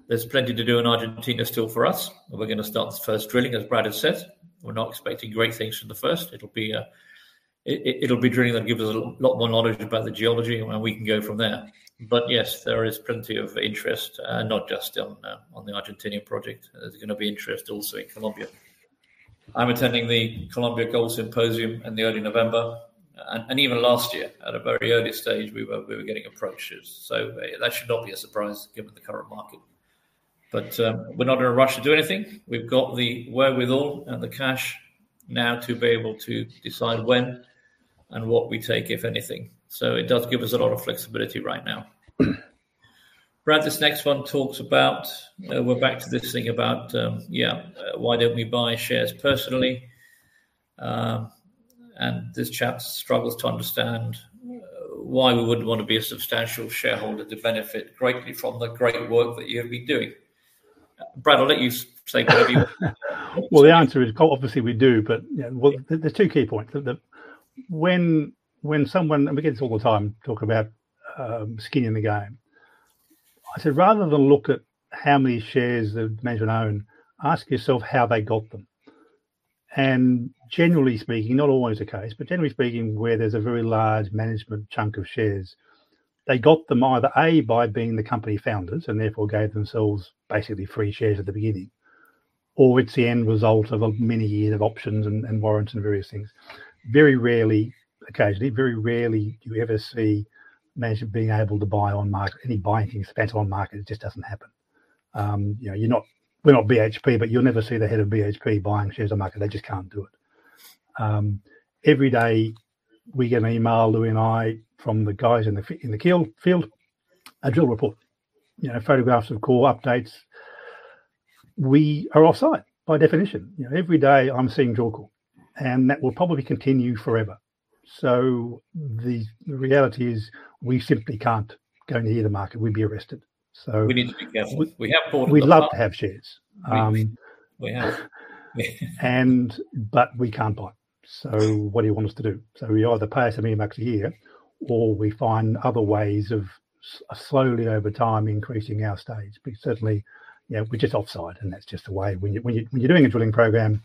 There's plenty to do in Argentina still for us. We're gonna start the first drilling, as Brad has said. We're not expecting great things from the first. It'll be a... It'll be drilling that'll give us a lot more knowledge about the geology, and we can go from there. Yes, there is plenty of interest, not just on the Argentina project. There's gonna be interest also in Colombia. I'm attending the Colombia Gold Symposium in the early November. Even last year, at a very early stage, we were getting approaches. That should not be a surprise given the current market. We're not in a rush to do anything. We've got the wherewithal and the cash now to be able to decide when and what we take, if anything. It does give us a lot of flexibility right now. Brad, this next one talks about, we're back to this thing about, yeah, why don't we buy shares personally. This chap struggles to understand why we wouldn't want to be a substantial shareholder to benefit greatly from the great work that you have been doing. Brad, I'll let you say whatever you want. Well, the answer is obviously we do, but yeah. Well, there's two key points. That when someone, we get this all the time, talk about skin in the game. I said, rather than look at how many shares the management own, ask yourself how they got them. Generally speaking, not always the case, but generally speaking, where there's a very large management chunk of shares, they got them either A by being the company founders and therefore gave themselves basically free shares at the beginning, or it's the end result of many years of options and warrants and various things. Very rarely, occasionally, very rarely do you ever see management being able to buy on market. Any buying is expensive on market, it just doesn't happen. You know, you're not. We're not BHP, but you'll never see the head of BHP buying shares on the market. They just can't do it. Every day we get an email, Louis and I, from the guys in the field, a drill report. You know, photographs of core updates. We are offsite, by definition. You know, every day I'm seeing drill core, and that will probably continue forever. The reality is we simply can't go near the market. We'd be arrested. We need to be careful. We have bought in the past. We'd love to have shares. We have. We can't buy. What do you want us to do? We either pay ourselves a max a year, or we find other ways of slowly, over time, increasing our stakes. Certainly, you know, we're just offsite, and that's just the way. When you're doing a drilling program,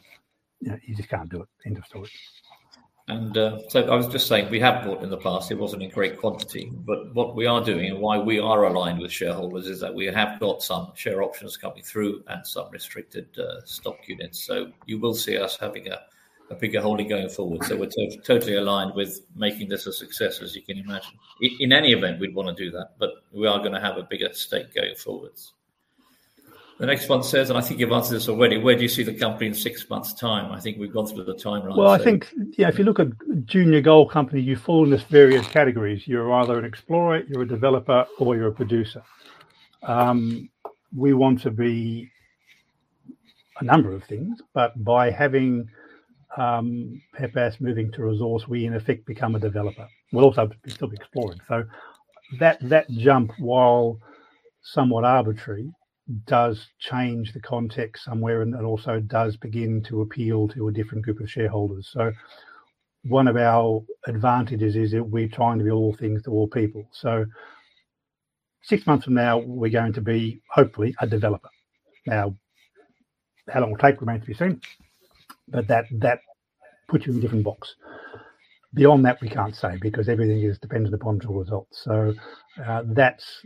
you know, you just can't do it. End of story. I was just saying, we have bought in the past. It wasn't in great quantity. What we are doing and why we are aligned with shareholders is that we have got some share options coming through and some restricted stock units. You will see us having a bigger holding going forward. We're totally aligned with making this a success, as you can imagine. In any event, we'd wanna do that, but we are gonna have a bigger stake going forwards. The next one says, I think you've answered this already: Where do you see the company in six months' time? I think we've gone through the timeline, so. Well, I think, yeah, if you look at junior gold company, you fall into various categories. You're either an explorer, you're a developer, or you're a producer. We want to be a number of things, but by having Pepas moving to resource, we in effect become a developer. We'll also still be exploring. That jump, while somewhat arbitrary, does change the context somewhere and also does begin to appeal to a different group of shareholders. One of our advantages is that we're trying to be all things to all people. Six months from now, we're going to be, hopefully, a developer. Now, how long it'll take remains to be seen, but that puts you in a different box. Beyond that, we can't say because everything is dependent upon drill results. That's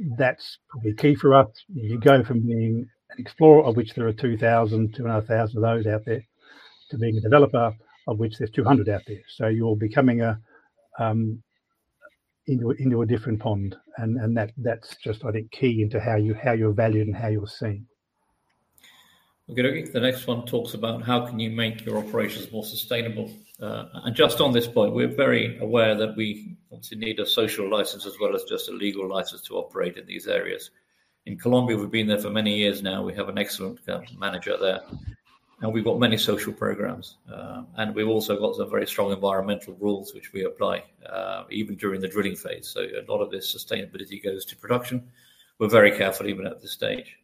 probably key for us. You go from being an explorer, of which there are 2,000, 2,500 of those out there, to being a developer, of which there's 200 out there. You're becoming into a different pond, and that's just, I think, key into how you, how you're valued and how you're seen. Okay. The next one talks about how can you make your operations more sustainable. Just on this point, we're very aware that we obviously need a social license as well as just a legal license to operate in these areas. In Colombia, we've been there for many years now. We have an excellent manager there. We've got many social programs. We've also got some very strong environmental rules which we apply even during the drilling phase. A lot of this sustainability goes to production. We're very careful even at this stage.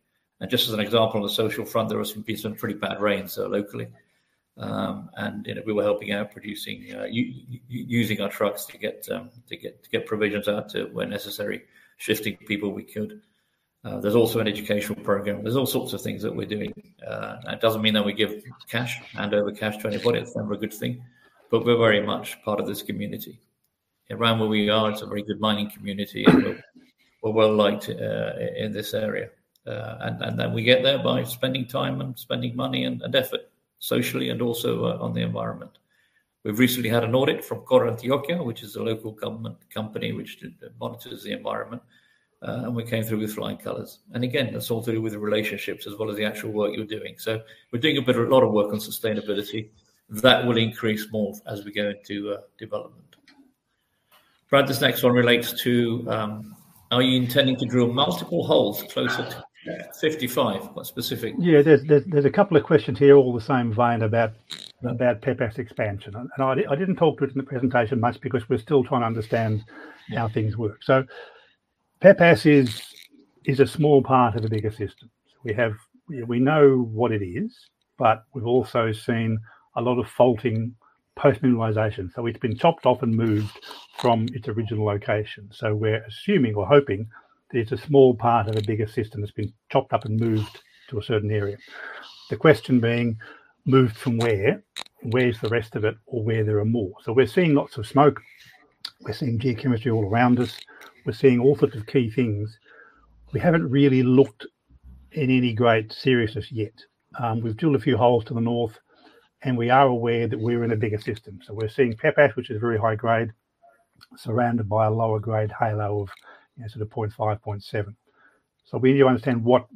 Just as an example, on the social front, there has been some pretty bad rain locally. You know, we were helping out, producing, using our trucks to get provisions out to where necessary, shifting people we could. There's also an educational program. There's all sorts of things that we're doing. That doesn't mean that we give cash, hand over cash to anybody. That's never a good thing. We're very much part of this community. Around where we are, it's a very good mining community, and we're well liked in this area. We get there by spending time and spending money and effort socially and also on the environment. We've recently had an audit from Corantioquia, which is a local government company which monitors the environment, and we came through with flying colors. Again, that's all to do with the relationships as well as the actual work you're doing. We're doing a lot of work on sustainability. That will increase more as we go into development. Brad, this next one relates to are you intending to drill multiple holes closer to 55, more specific? Yeah. There's a couple of questions here all in the same vein about Pepas expansion. I didn't talk about it in the presentation much because we're still trying to understand how things work. Pepas is a small part of a bigger system. We have. You know, we know what it is, but we've also seen a lot of faulting post-mineralization. It's been chopped off and moved from its original location. We're assuming or hoping there's a small part of a bigger system that's been chopped up and moved to a certain area. The question being, moved from where? Where's the rest of it? Or where there are more? We're seeing lots of smoke. We're seeing geochemistry all around us. We're seeing all sorts of key things. We haven't really looked into it with any great seriousness yet. We've drilled a few holes to the north, and we are aware that we're in a bigger system. We're seeing Pepas, which is very high grade, surrounded by a lower grade halo of, you know, sort of 0.5, 0.7. We need to understand what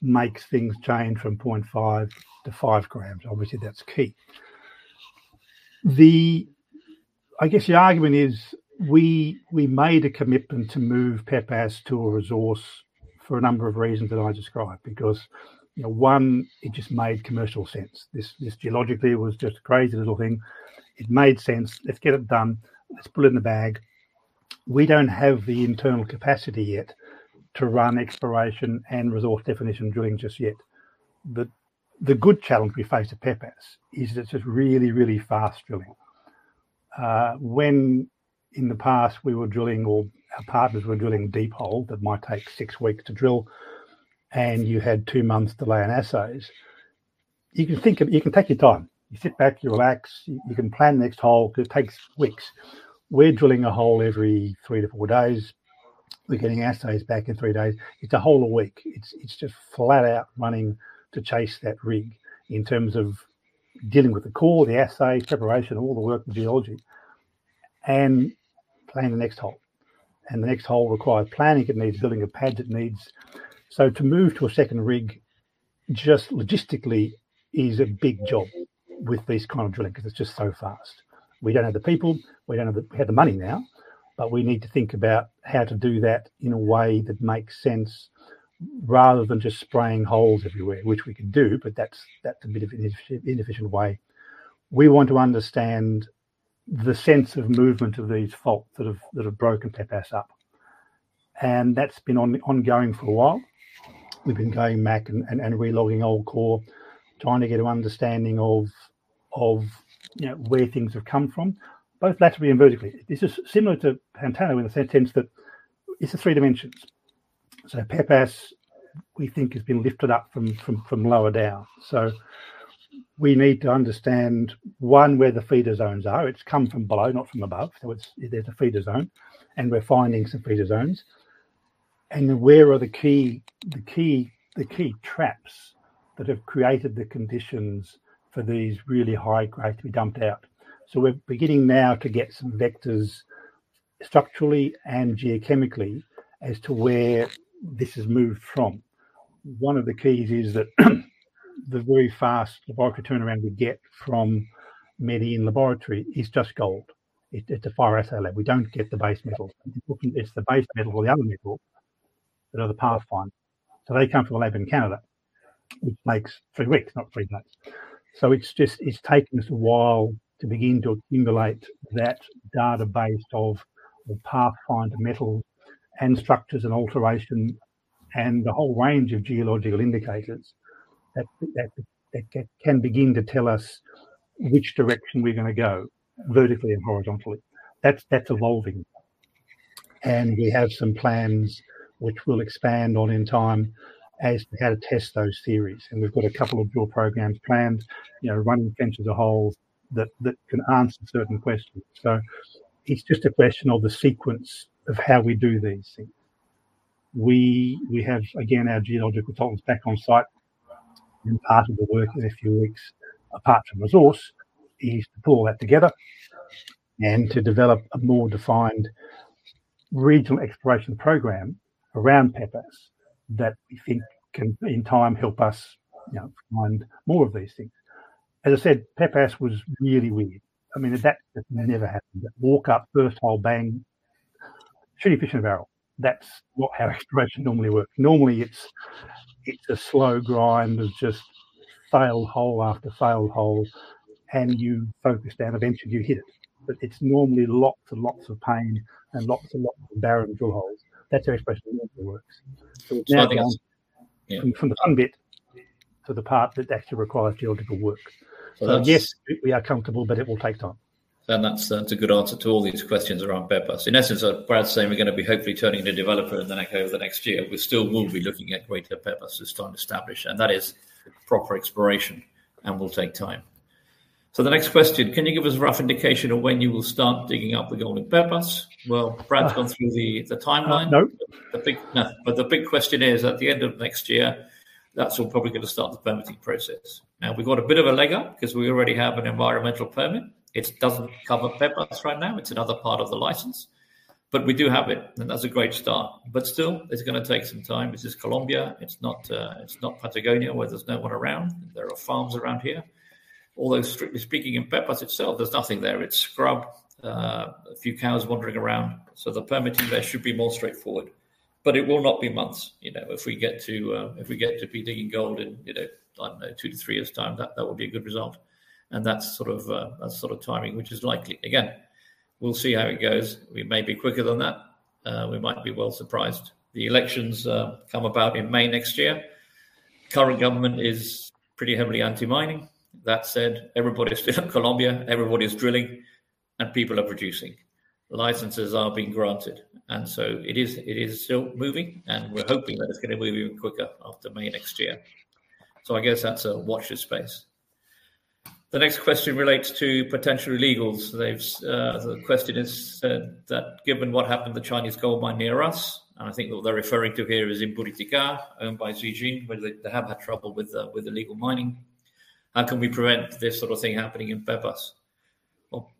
makes things change from 0.5 g to 5 g. Obviously, that's key. I guess the argument is we made a commitment to move Pepas to a resource for a number of reasons that I described because, you know, one, it just made commercial sense. This geologically was just a crazy little thing. It made sense. Let's get it done. Let's put it in the bag. We don't have the internal capacity yet to run exploration and resource definition drilling just yet. The good challenge we face at Pepas is it's just really, really fast drilling. When in the past we were drilling or our partners were drilling deep hole that might take six weeks to drill, and you had two months delay in assays, you can take your time. You sit back, you relax, you can plan the next hole 'cause it takes weeks. We're drilling a hole every three to four days. We're getting assays back in three days. It's a hole a week. It's just flat out running to chase that rig in terms of dealing with the core, the assay, preparation, all the work, the geology, and plan the next hole. The next hole requires planning. It needs building a pad. It needs to move to a second rig, just logistically is a big job with this kind of drilling because it's just so fast. We don't have the people, we don't have the We have the money now, but we need to think about how to do that in a way that makes sense rather than just spraying holes everywhere, which we can do, but that's a bit of an inefficient way. We want to understand the sense of movement of these faults that have broken Pepas up. That's been ongoing for a while. We've been going back and re-logging old core, trying to get an understanding of, you know, where things have come from, both laterally and vertically. This is similar to Pantano in the sense that it's three dimensions. Pepas, we think has been lifted up from lower down. We need to understand, one, where the feeder zones are. It's come from below, not from above. There's a feeder zone, and we're finding some feeder zones. Where are the key traps that have created the conditions for these really high grade to be dumped out. We're beginning now to get some vectors structurally and geochemically as to where this has moved from. One of the keys is that the very fast laboratory turnaround we get from ALS laboratory is just gold. It's a fire assay lab. We don't get the base metals. It's the base metal or the other metal that are the pathfinder. They come from a lab in Canada, which makes three weeks, not three months. It's just taking us a while to begin to accumulate that database of the pathfinder metal and structures and alteration and the whole range of geological indicators that can begin to tell us which direction we're gonna go vertically and horizontally. That's evolving. We have some plans which we'll expand on in time as how to test those theories. We've got a couple of drill programs planned, you know, running fence as a whole that can answer certain questions. It's just a question of the sequence of how we do these things. We have, again, our geological teams back on site, and part of the work in a few weeks, apart from resource, is to pull all that together and to develop a more defined regional exploration program around Pepas that we think can, in time, help us, you know, find more of these things. As I said, Pepas was really weird. I mean, that never happened. Walk up, first hole, bang. Shooting fish in a barrel. That's how exploration normally works. Normally, it's a slow grind of just failed hole after failed hole, and you focus down, eventually you hit it. But it's normally lots and lots of pain and lots and lots of barren drill holes. That's how exploration normally works. Now we've gone. Yeah... from the fun bit to the part that actually requires geological work. That's. Yes, we are comfortable, but it will take time. That's a good answer to all these questions around Pepas. In essence, as Brad's saying, we're gonna be hopefully turning into a developer in the next year. We still will be looking at greater Pepas as time established, and that is proper exploration and will take time. The next question, can you give us a rough indication of when you will start digging up the gold in Pepas? Well, Brad's gone through the timeline. No. The big question is, at the end of next year, that's when we're probably gonna start the permitting process. Now, we've got a bit of a leg up 'cause we already have an environmental permit. It doesn't cover Pepas right now. It's another part of the license. But we do have it, and that's a great start. But still, it's gonna take some time. This is Colombia. It's not Patagonia, where there's no one around. There are farms around here. Although strictly speaking, in Pepas itself, there's nothing there. It's scrub, a few cows wandering around. The permitting there should be more straightforward. It will not be months, you know. If we get to be digging gold in, you know, I don't know, two to three years' time, that would be a good result. That's sort of timing, which is likely. Again, we'll see how it goes. We may be quicker than that. We might be well surprised. The elections come about in May next year. Current government is pretty heavily anti-mining. That said, everybody is still in Colombia. Everybody is drilling, and people are producing. Licenses are being granted. It is still moving, and we're hoping that it's gonna move even quicker after May next year. I guess that's a watch this space. The next question relates to potential illegals. The question is that given what happened to the Chinese goldmine near us, and I think what they're referring to here is in Buriticá, owned by Zijin, where they have had trouble with illegal mining. How can we prevent this sort of thing happening in Pepas?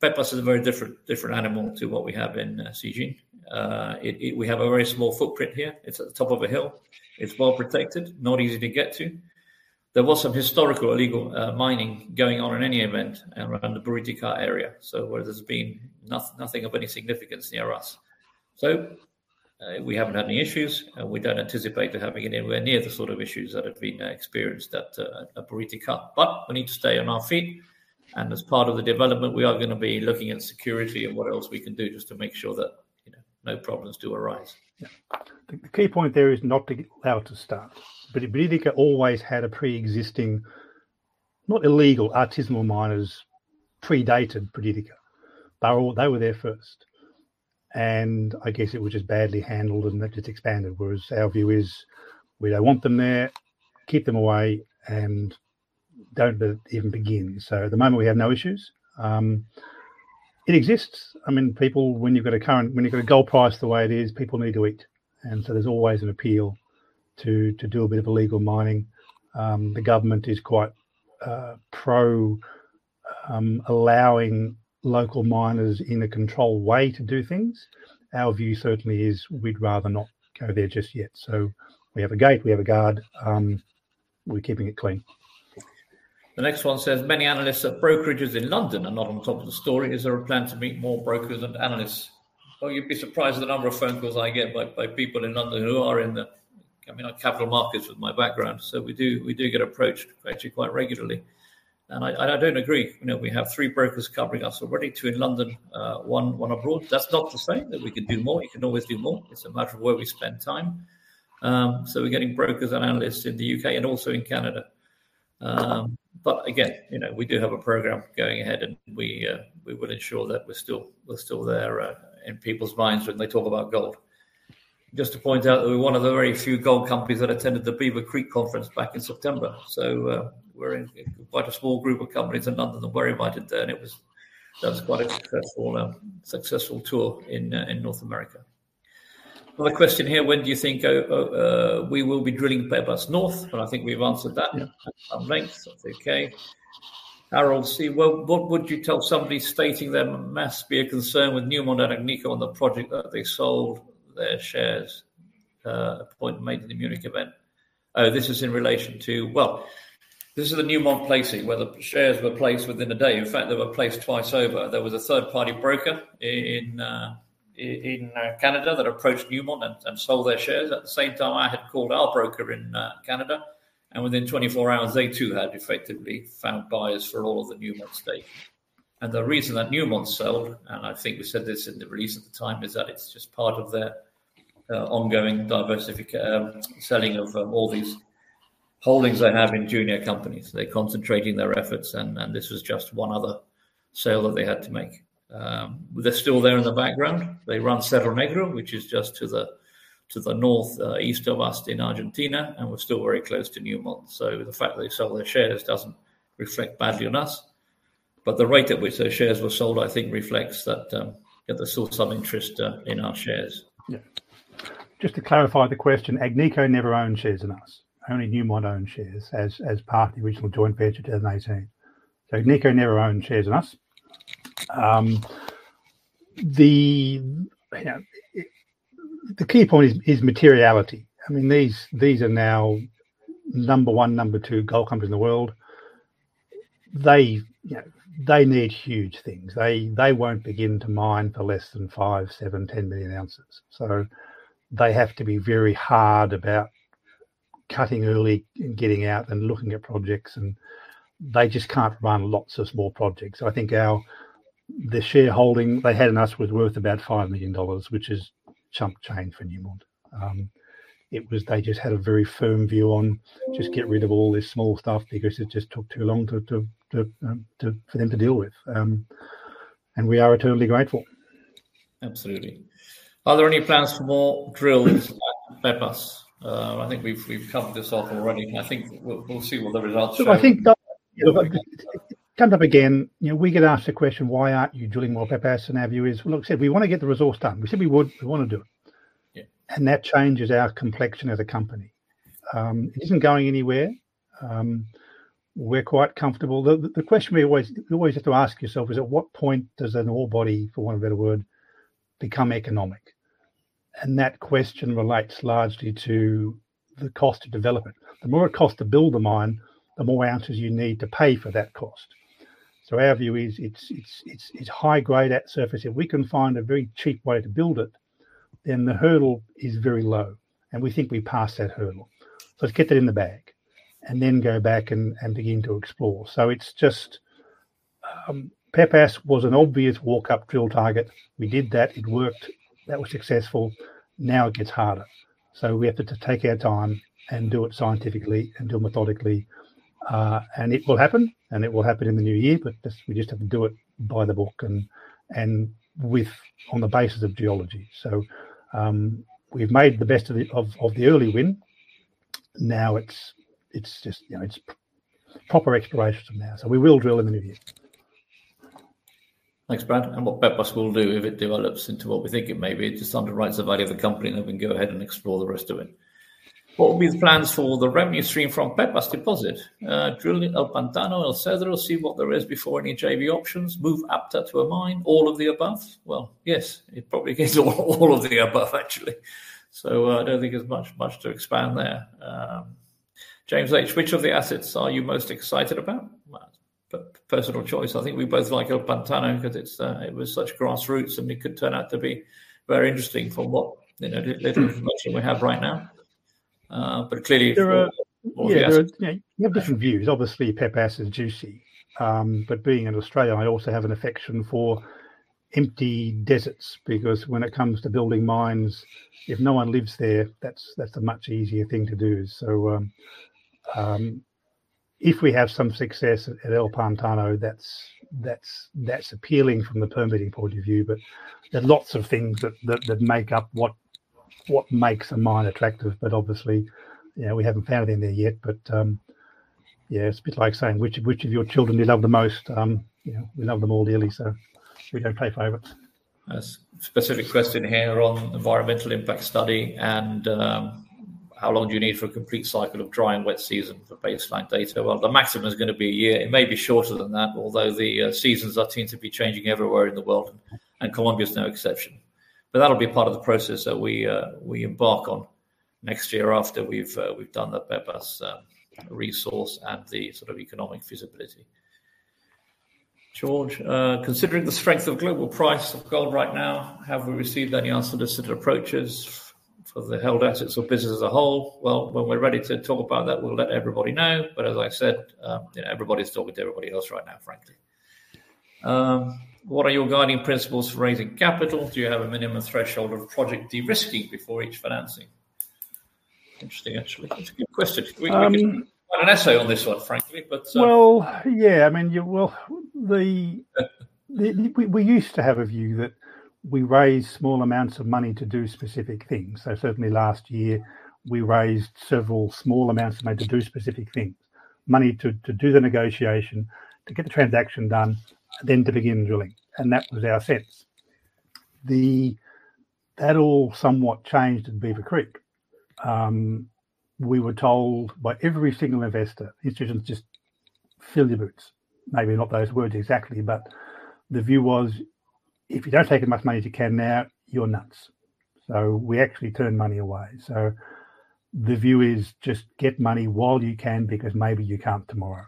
Pepas is a very different animal to what we have in Zijin. We have a very small footprint here. It's at the top of a hill. It's well-protected, not easy to get to. There was some historical illegal mining going on in any event around the Buriticá area. Where there's been nothing of any significance near us. We haven't had any issues, and we don't anticipate to having anywhere near the sort of issues that have been experienced at Buriticá. We need to stay on our feet, and as part of the development, we are gonna be looking at security and what else we can do just to make sure that, you know, no problems do arise. Yeah. The key point there is not to allow it to start. Buriticá always had preexisting, not illegal, artisanal miners predated Buriticá. They were there first. I guess it was just badly handled and that just expanded. Whereas our view is, we don't want them there, keep them away, and don't let it even begin. At the moment, we have no issues. It exists. I mean, people, when you've got a gold price, the way it is, people need to eat. There's always an appeal to do a bit of illegal mining. The government is quite pro allowing local miners in a controlled way to do things. Our view certainly is we'd rather not go there just yet. We have a gate, we have a guard, we're keeping it clean. The next one says, "Many analysts at brokerages in London are not on top of the story. Is there a plan to meet more brokers and analysts?" Well, you'd be surprised at the number of phone calls I get by people in London who are in the, I mean, like, capital markets with my background. We do get approached actually quite regularly. I don't agree. You know, we have three brokers covering us already, two in London, one abroad. That's not to say that we can do more. You can always do more. It's a matter of where we spend time. We're getting brokers and analysts in the U.K. and also in Canada. Again, you know, we do have a program going ahead and we would ensure that we're still there in people's minds when they talk about gold. Just to point out that we're one of the very few gold companies that attended the Beaver Creek Conference back in September. We're in quite a small group of companies and none of them were invited there, and it was quite a successful tour in North America. Another question here, "When do you think we will be drilling Pepas North?" I think we've answered that at length. Okay. Well, what would you tell somebody stating there must be a concern with Newmont and Agnico on the project that they sold their shares, a point made in the Munich event? This is in relation to. Well, this is the Newmont placing, where the shares were placed within a day. In fact, they were placed twice over. There was a third-party broker in Canada that approached Newmont and sold their shares. At the same time, I had called our broker in Canada, and within 24 hours, they too had effectively found buyers for all of the Newmont stake. The reason that Newmont sold, and I think we said this in the release at the time, is that it's just part of their ongoing selling of all these holdings they have in junior companies. They're concentrating their efforts and this was just one other sale that they had to make. They're still there in the background. They run Cerro Negro, which is just to the north east of us in Argentina, and we're still very close to Newmont. The fact that they sold their shares doesn't reflect badly on us. The rate at which those shares were sold, I think reflects that, there's still some interest in our shares. Yeah. Just to clarify the question, Agnico never owned shares in us. Only Newmont owned shares as part of the original joint venture in 2018. Agnico never owned shares in us. You know, the key point is materiality. I mean, these are now number one, number two gold companies in the world. They, you know, they need huge things. They won't begin to mine for less than 5 million, 7 million, 10 million ounces. They have to be very hard about cutting early and getting out and looking at projects, and they just can't run lots of small projects. I think the shareholding they had in us was worth about $5 million, which is chump change for Newmont. It was, they just had a very firm view on just get rid of all this small stuff because it just took too long for them to deal with. We are eternally grateful. Absolutely. "Are there any plans for more drills at Pepas?" I think we've covered this off already. I think we'll see what the results show. Look, I think that, you know, it's come up again. You know, we get asked the question, "Why aren't you drilling more Pepas?" Our view is, look, as said, we wanna get the resource done. We said we would, we wanna do it. Yeah. That changes our complexion as a company. It isn't going anywhere. We're quite comfortable. The question we always, you always have to ask yourself is at what point does an ore body, for want of a better word, become economic? That question relates largely to the cost of development. The more it costs to build the mine, the more ounces you need to pay for that cost. Our view is it's high grade at surface. If we can find a very cheap way to build it, then the hurdle is very low, and we think we passed that hurdle. Let's get that in the bag and then go back and begin to explore. It's just Pepas was an obvious walk-up drill target. We did that. It worked. That was successful. Now it gets harder. We have to take our time and do it scientifically and do it methodically. It will happen in the new year, but we have to do it by the book and on the basis of geology. We've made the best of the early wins. Now it's just, you know, proper exploration now. We will drill in the new year. Thanks, Brad. What Pepas will do if it develops into what we think it may be, it just underwrites the value of the company, and then we can go ahead and explore the rest of it. What will be the plans for the revenue stream from Pepas Deposit? Drilling El Pantano, El Cedro, see what there is before any JV options. Move APTA to a mine. All of the above. Well, yes, it probably gets all of the above actually. I don't think there's much to expand there. James H. "Which of the assets are you most excited about?" Well, personal choice, I think we both like El Pantano because it was such grassroots and it could turn out to be very interesting from what you know. Mm-hmm... the little information we have right now. Clearly for all the assets. You know, you have different views. Obviously, Pepas is juicy. Being an Australian, I also have an affection for empty deserts, because when it comes to building mines, if no one lives there, that's a much easier thing to do. If we have some success at El Pantano, that's appealing from the permitting point of view. There are lots of things that make up what makes a mine attractive. Obviously, you know, we haven't found anything there yet. Yeah, it's a bit like saying which of your children do you love the most. You know, we love them all dearly, so we don't play favorites. A specific question here on environmental impact study, and, how long do you need for a complete cycle of dry and wet season for baseline data? Well, the maximum is gonna be a year. It may be shorter than that, although the seasons are deemed to be changing everywhere in the world, and Colombia is no exception. That'll be part of the process that we embark on next year after we've done the Pepas resource and the sort of economic feasibility. George. "Considering the strength of global price of gold right now, have we received any unsolicited approaches for the held assets or business as a whole?" Well, when we're ready to talk about that, we'll let everybody know. As I've said, you know, everybody's talking to everybody else right now, frankly. What are your guiding principles for raising capital? Do you have a minimum threshold of project de-risking before each financing? Interesting, actually. It's a good question. Um- We could write an essay on this one, frankly. Well, yeah. I mean. Uh We used to have a view that we raise small amounts of money to do specific things. Certainly last year we raised several small amounts of money to do specific things. Money to do the negotiation, to get the transaction done, then to begin drilling. That was our sense. That all somewhat changed in Beaver Creek. We were told by every single investor, institutions, "Just fill your boots." Maybe not those words exactly, but the view was, if you don't take as much money as you can now, you're nuts. We actually turn money away. The view is just get money while you can because maybe you can't tomorrow.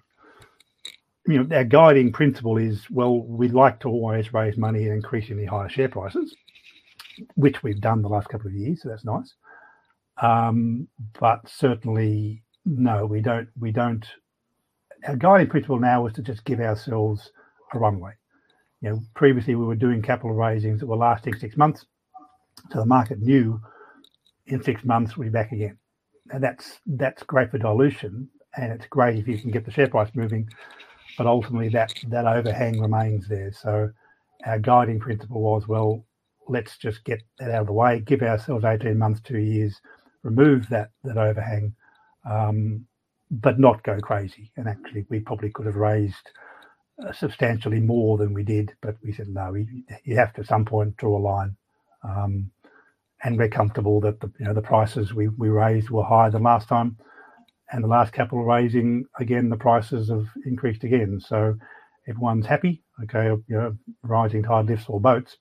You know, our guiding principle is, well, we'd like to always raise money at increasingly higher share prices, which we've done the last couple of years, so that's nice. Certainly, no, we don't. Our guiding principle now is to just give ourselves a runway. You know, previously we were doing capital raisings that were lasting six months, so the market knew in six months we'd be back again. Now, that's great for dilution, and it's great if you can get the share price moving, but ultimately that overhang remains there. Our guiding principle was, well, let's just get that out of the way, give ourselves 18 months, two years, remove that overhang, but not go crazy. Actually, we probably could have raised substantially more than we did. We said, no, you have to at some point draw a line. We're comfortable that you know, the prices we raised were higher than last time. The last capital raising, again, the prices have increased again. Everyone's happy. Okay, you know, rising tide lifts all boats.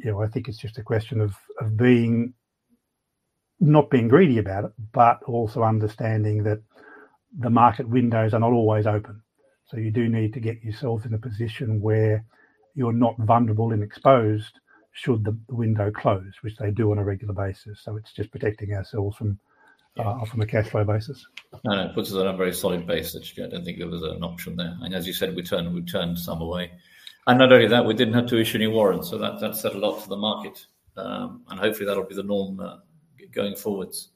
You know, I think it's just a question of not being greedy about it, but also understanding that the market windows are not always open. You do need to get yourself in a position where you're not vulnerable and exposed should the window close, which they do on a regular basis. It's just protecting ourselves from a cash flow basis. It puts us on a very solid base, which I don't think there was an option there. As you said, we turned some away. Not only that, we didn't have to issue any warrants, so that said a lot for the market. Hopefully that'll be the norm going forwards.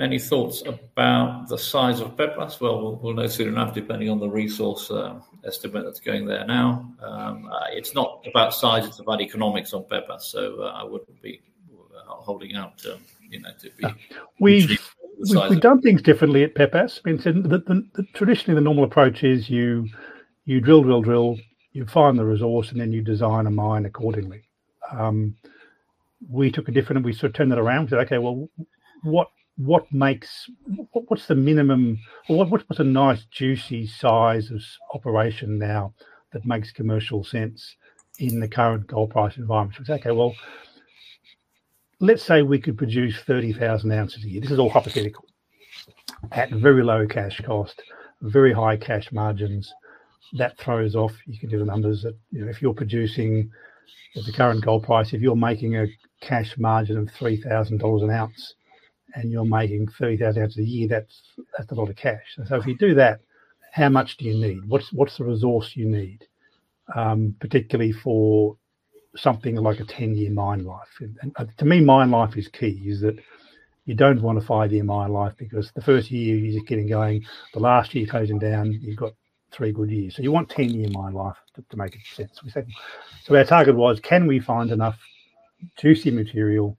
Any thoughts about the size of Pepas? Well, we'll know soon enough, depending on the resource estimate that's going there now. It's not about size, it's about economics of Pepas. I wouldn't be holding out, you know, to be too greedy for size. We've done things differently at Pepas. I mean, traditionally the normal approach is you drill. You find the resource, and then you design a mine accordingly. We took a different approach. We sort of turned that around and said, "Okay, well, what makes a nice juicy size of operation now that makes commercial sense in the current gold price environment?" We said, "Okay, well, let's say we could produce 30,000 ounces a year." This is all hypothetical at very low cash cost, very high cash margins. That throws off. You can do the numbers, you know, if you're producing at the current gold price, if you're making a cash margin of $3,000 an ounce and you're making 30,000 ounces a year, that's a lot of cash. If you do that, how much do you need? What's the resource you need? Particularly for something like a 10-year mine life. To me, mine life is key, is that you don't want a five year mine life because the first year you're just getting going, the last year you're closing down, you've got three good years. You want 10-year mine life to make it sense. We said, our target was, can we find enough 2C material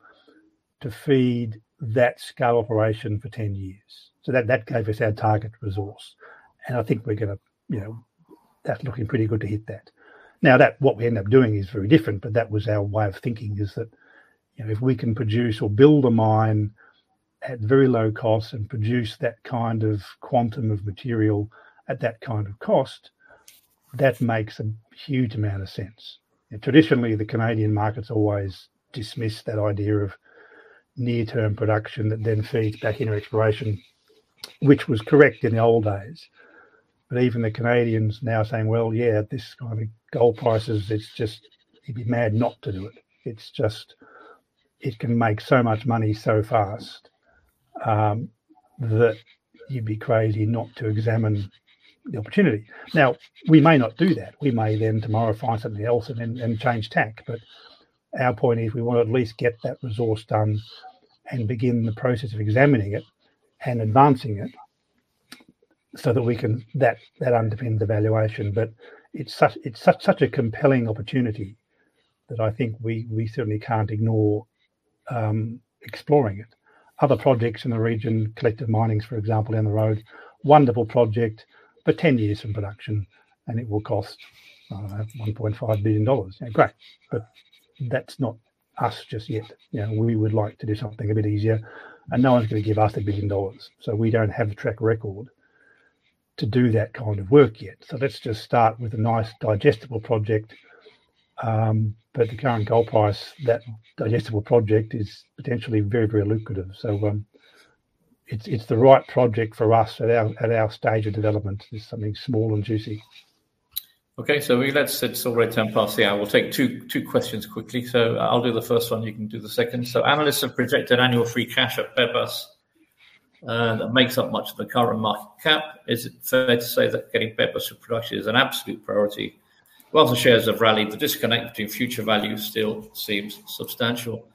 to feed that scale operation for 10 years? That gave us our target resource, and I think we're gonna, you know, that's looking pretty good to hit that. Now, that's what we end up doing is very different, but that was our way of thinking, is that, you know, if we can produce or build a mine at very low cost and produce that kind of quantum of material at that kind of cost, that makes a huge amount of sense. Traditionally, the Canadian markets always dismiss that idea of near term production that then feeds back into exploration, which was correct in the old days. Even the Canadians now are saying, "Well, yeah, at this kind of gold prices, it's just, you'd be mad not to do it." It's just, it can make so much money so fast, that you'd be crazy not to examine the opportunity. We may not do that. We may then tomorrow find something else and then change tack. Our point is we wanna at least get that resource done and begin the process of examining it and advancing it so that we can that underpins the valuation. It's such a compelling opportunity that I think we certainly can't ignore exploring it. Other projects in the region, Collective Mining's, for example, down the road, wonderful project, but 10 years from production and it will cost $1.5 billion. You know, great, but that's not us just yet. You know, we would like to do something a bit easier, and no one's gonna give us $1 billion. We don't have the track record to do that kind of work yet. Let's just start with a nice digestible project. The current gold price, that digestible project is potentially very, very lucrative. It's the right project for us at our stage of development. It's something small and juicy. Okay. That's it. It's already 10 past the hour. We'll take two questions quickly. I'll do the first one, you can do the second. Analysts have projected annual free cash at Pepas that makes up much of the current market cap. Is it fair to say that getting Pepas to production is an absolute priority? While the shares have rallied, the disconnect between future value still seems substantial.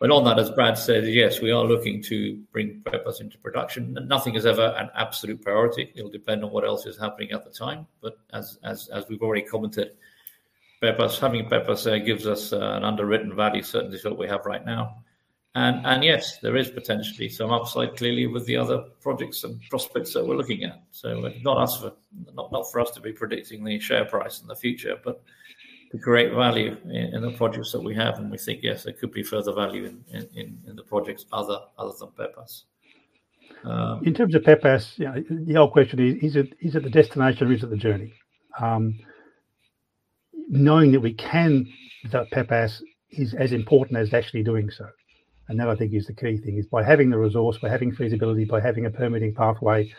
Well, on that, as Brad said, yes, we are looking to bring Pepas into production and nothing is ever an absolute priority. It'll depend on what else is happening at the time. As we've already commented, Pepas, having Pepas, gives us an underwritten value, certainly to what we have right now. Yes, there is potentially some upside clearly with the other projects and prospects that we're looking at. Not for us to be predicting the share price in the future, but the great value in the projects that we have. We think, yes, there could be further value in the projects other than Pepas. In terms of Pepas, you know, the whole question is it, is it the destination or is it the journey? Knowing that we can do Pepas is as important as actually doing so. That, I think is the key thing, is by having the resource, by having feasibility, by having a permitting pathway,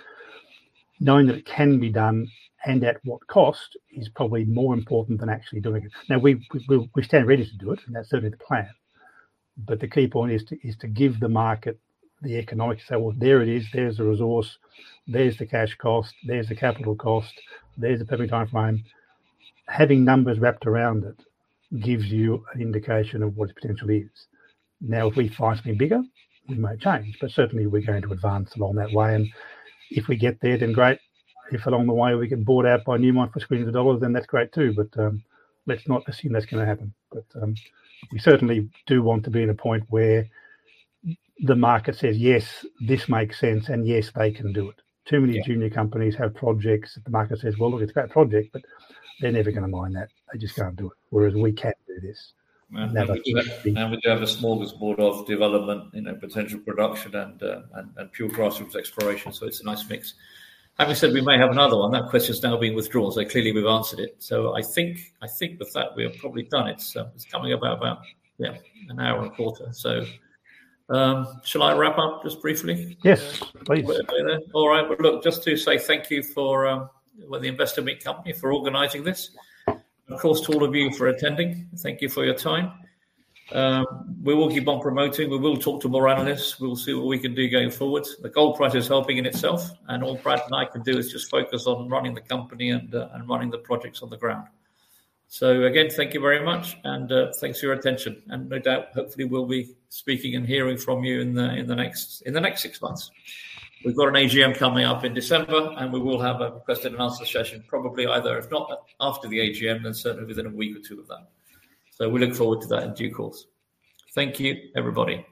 knowing that it can be done and at what cost is probably more important than actually doing it. Now, we stand ready to do it, and that's certainly the plan. The key point is to give the market the economics. Say, "Well, there it is. There's the resource. There's the cash cost. There's the capital cost. There's the permitting timeframe." Having numbers wrapped around it gives you an indication of what its potential is. Now, if we find something bigger, we may change, but certainly we're going to advance along that way. If we get there, then great. If along the way we get bought out by Newmont for squillions of dollars, then that's great too. Let's not assume that's gonna happen. We certainly do want to be at a point where the market says, "Yes, this makes sense," and, "Yes, they can do it." Too many junior companies have projects. The market says, "Well, look, it's a great project, but they're never gonna mine that. They just can't do it." Whereas we can do this. Now that. We do have a smorgasbord of development, you know, potential production and pure grassroots exploration, so it's a nice mix. Having said we may have another one, that question's now been withdrawn, so clearly we've answered it. I think with that, we are probably done. It's coming up about, yeah, an hour and a quarter. Shall I wrap up just briefly? Yes, please. There. All right. Well, look, just to say thank you for, well, the Investor Meet Company for organizing this. Of course, to all of you for attending. Thank you for your time. We will keep on promoting. We will talk to more analysts. We'll see what we can do going forward. The gold price is helping in itself, and all Brad and I can do is just focus on running the company and running the projects on the ground. So again, thank you very much and thanks for your attention. No doubt, hopefully we'll be speaking and hearing from you in the next six months. We've got an AGM coming up in December, and we will have a question and answer session probably either, if not after the AGM, then certainly within a week or two of that. We look forward to that in due course. Thank you, everybody.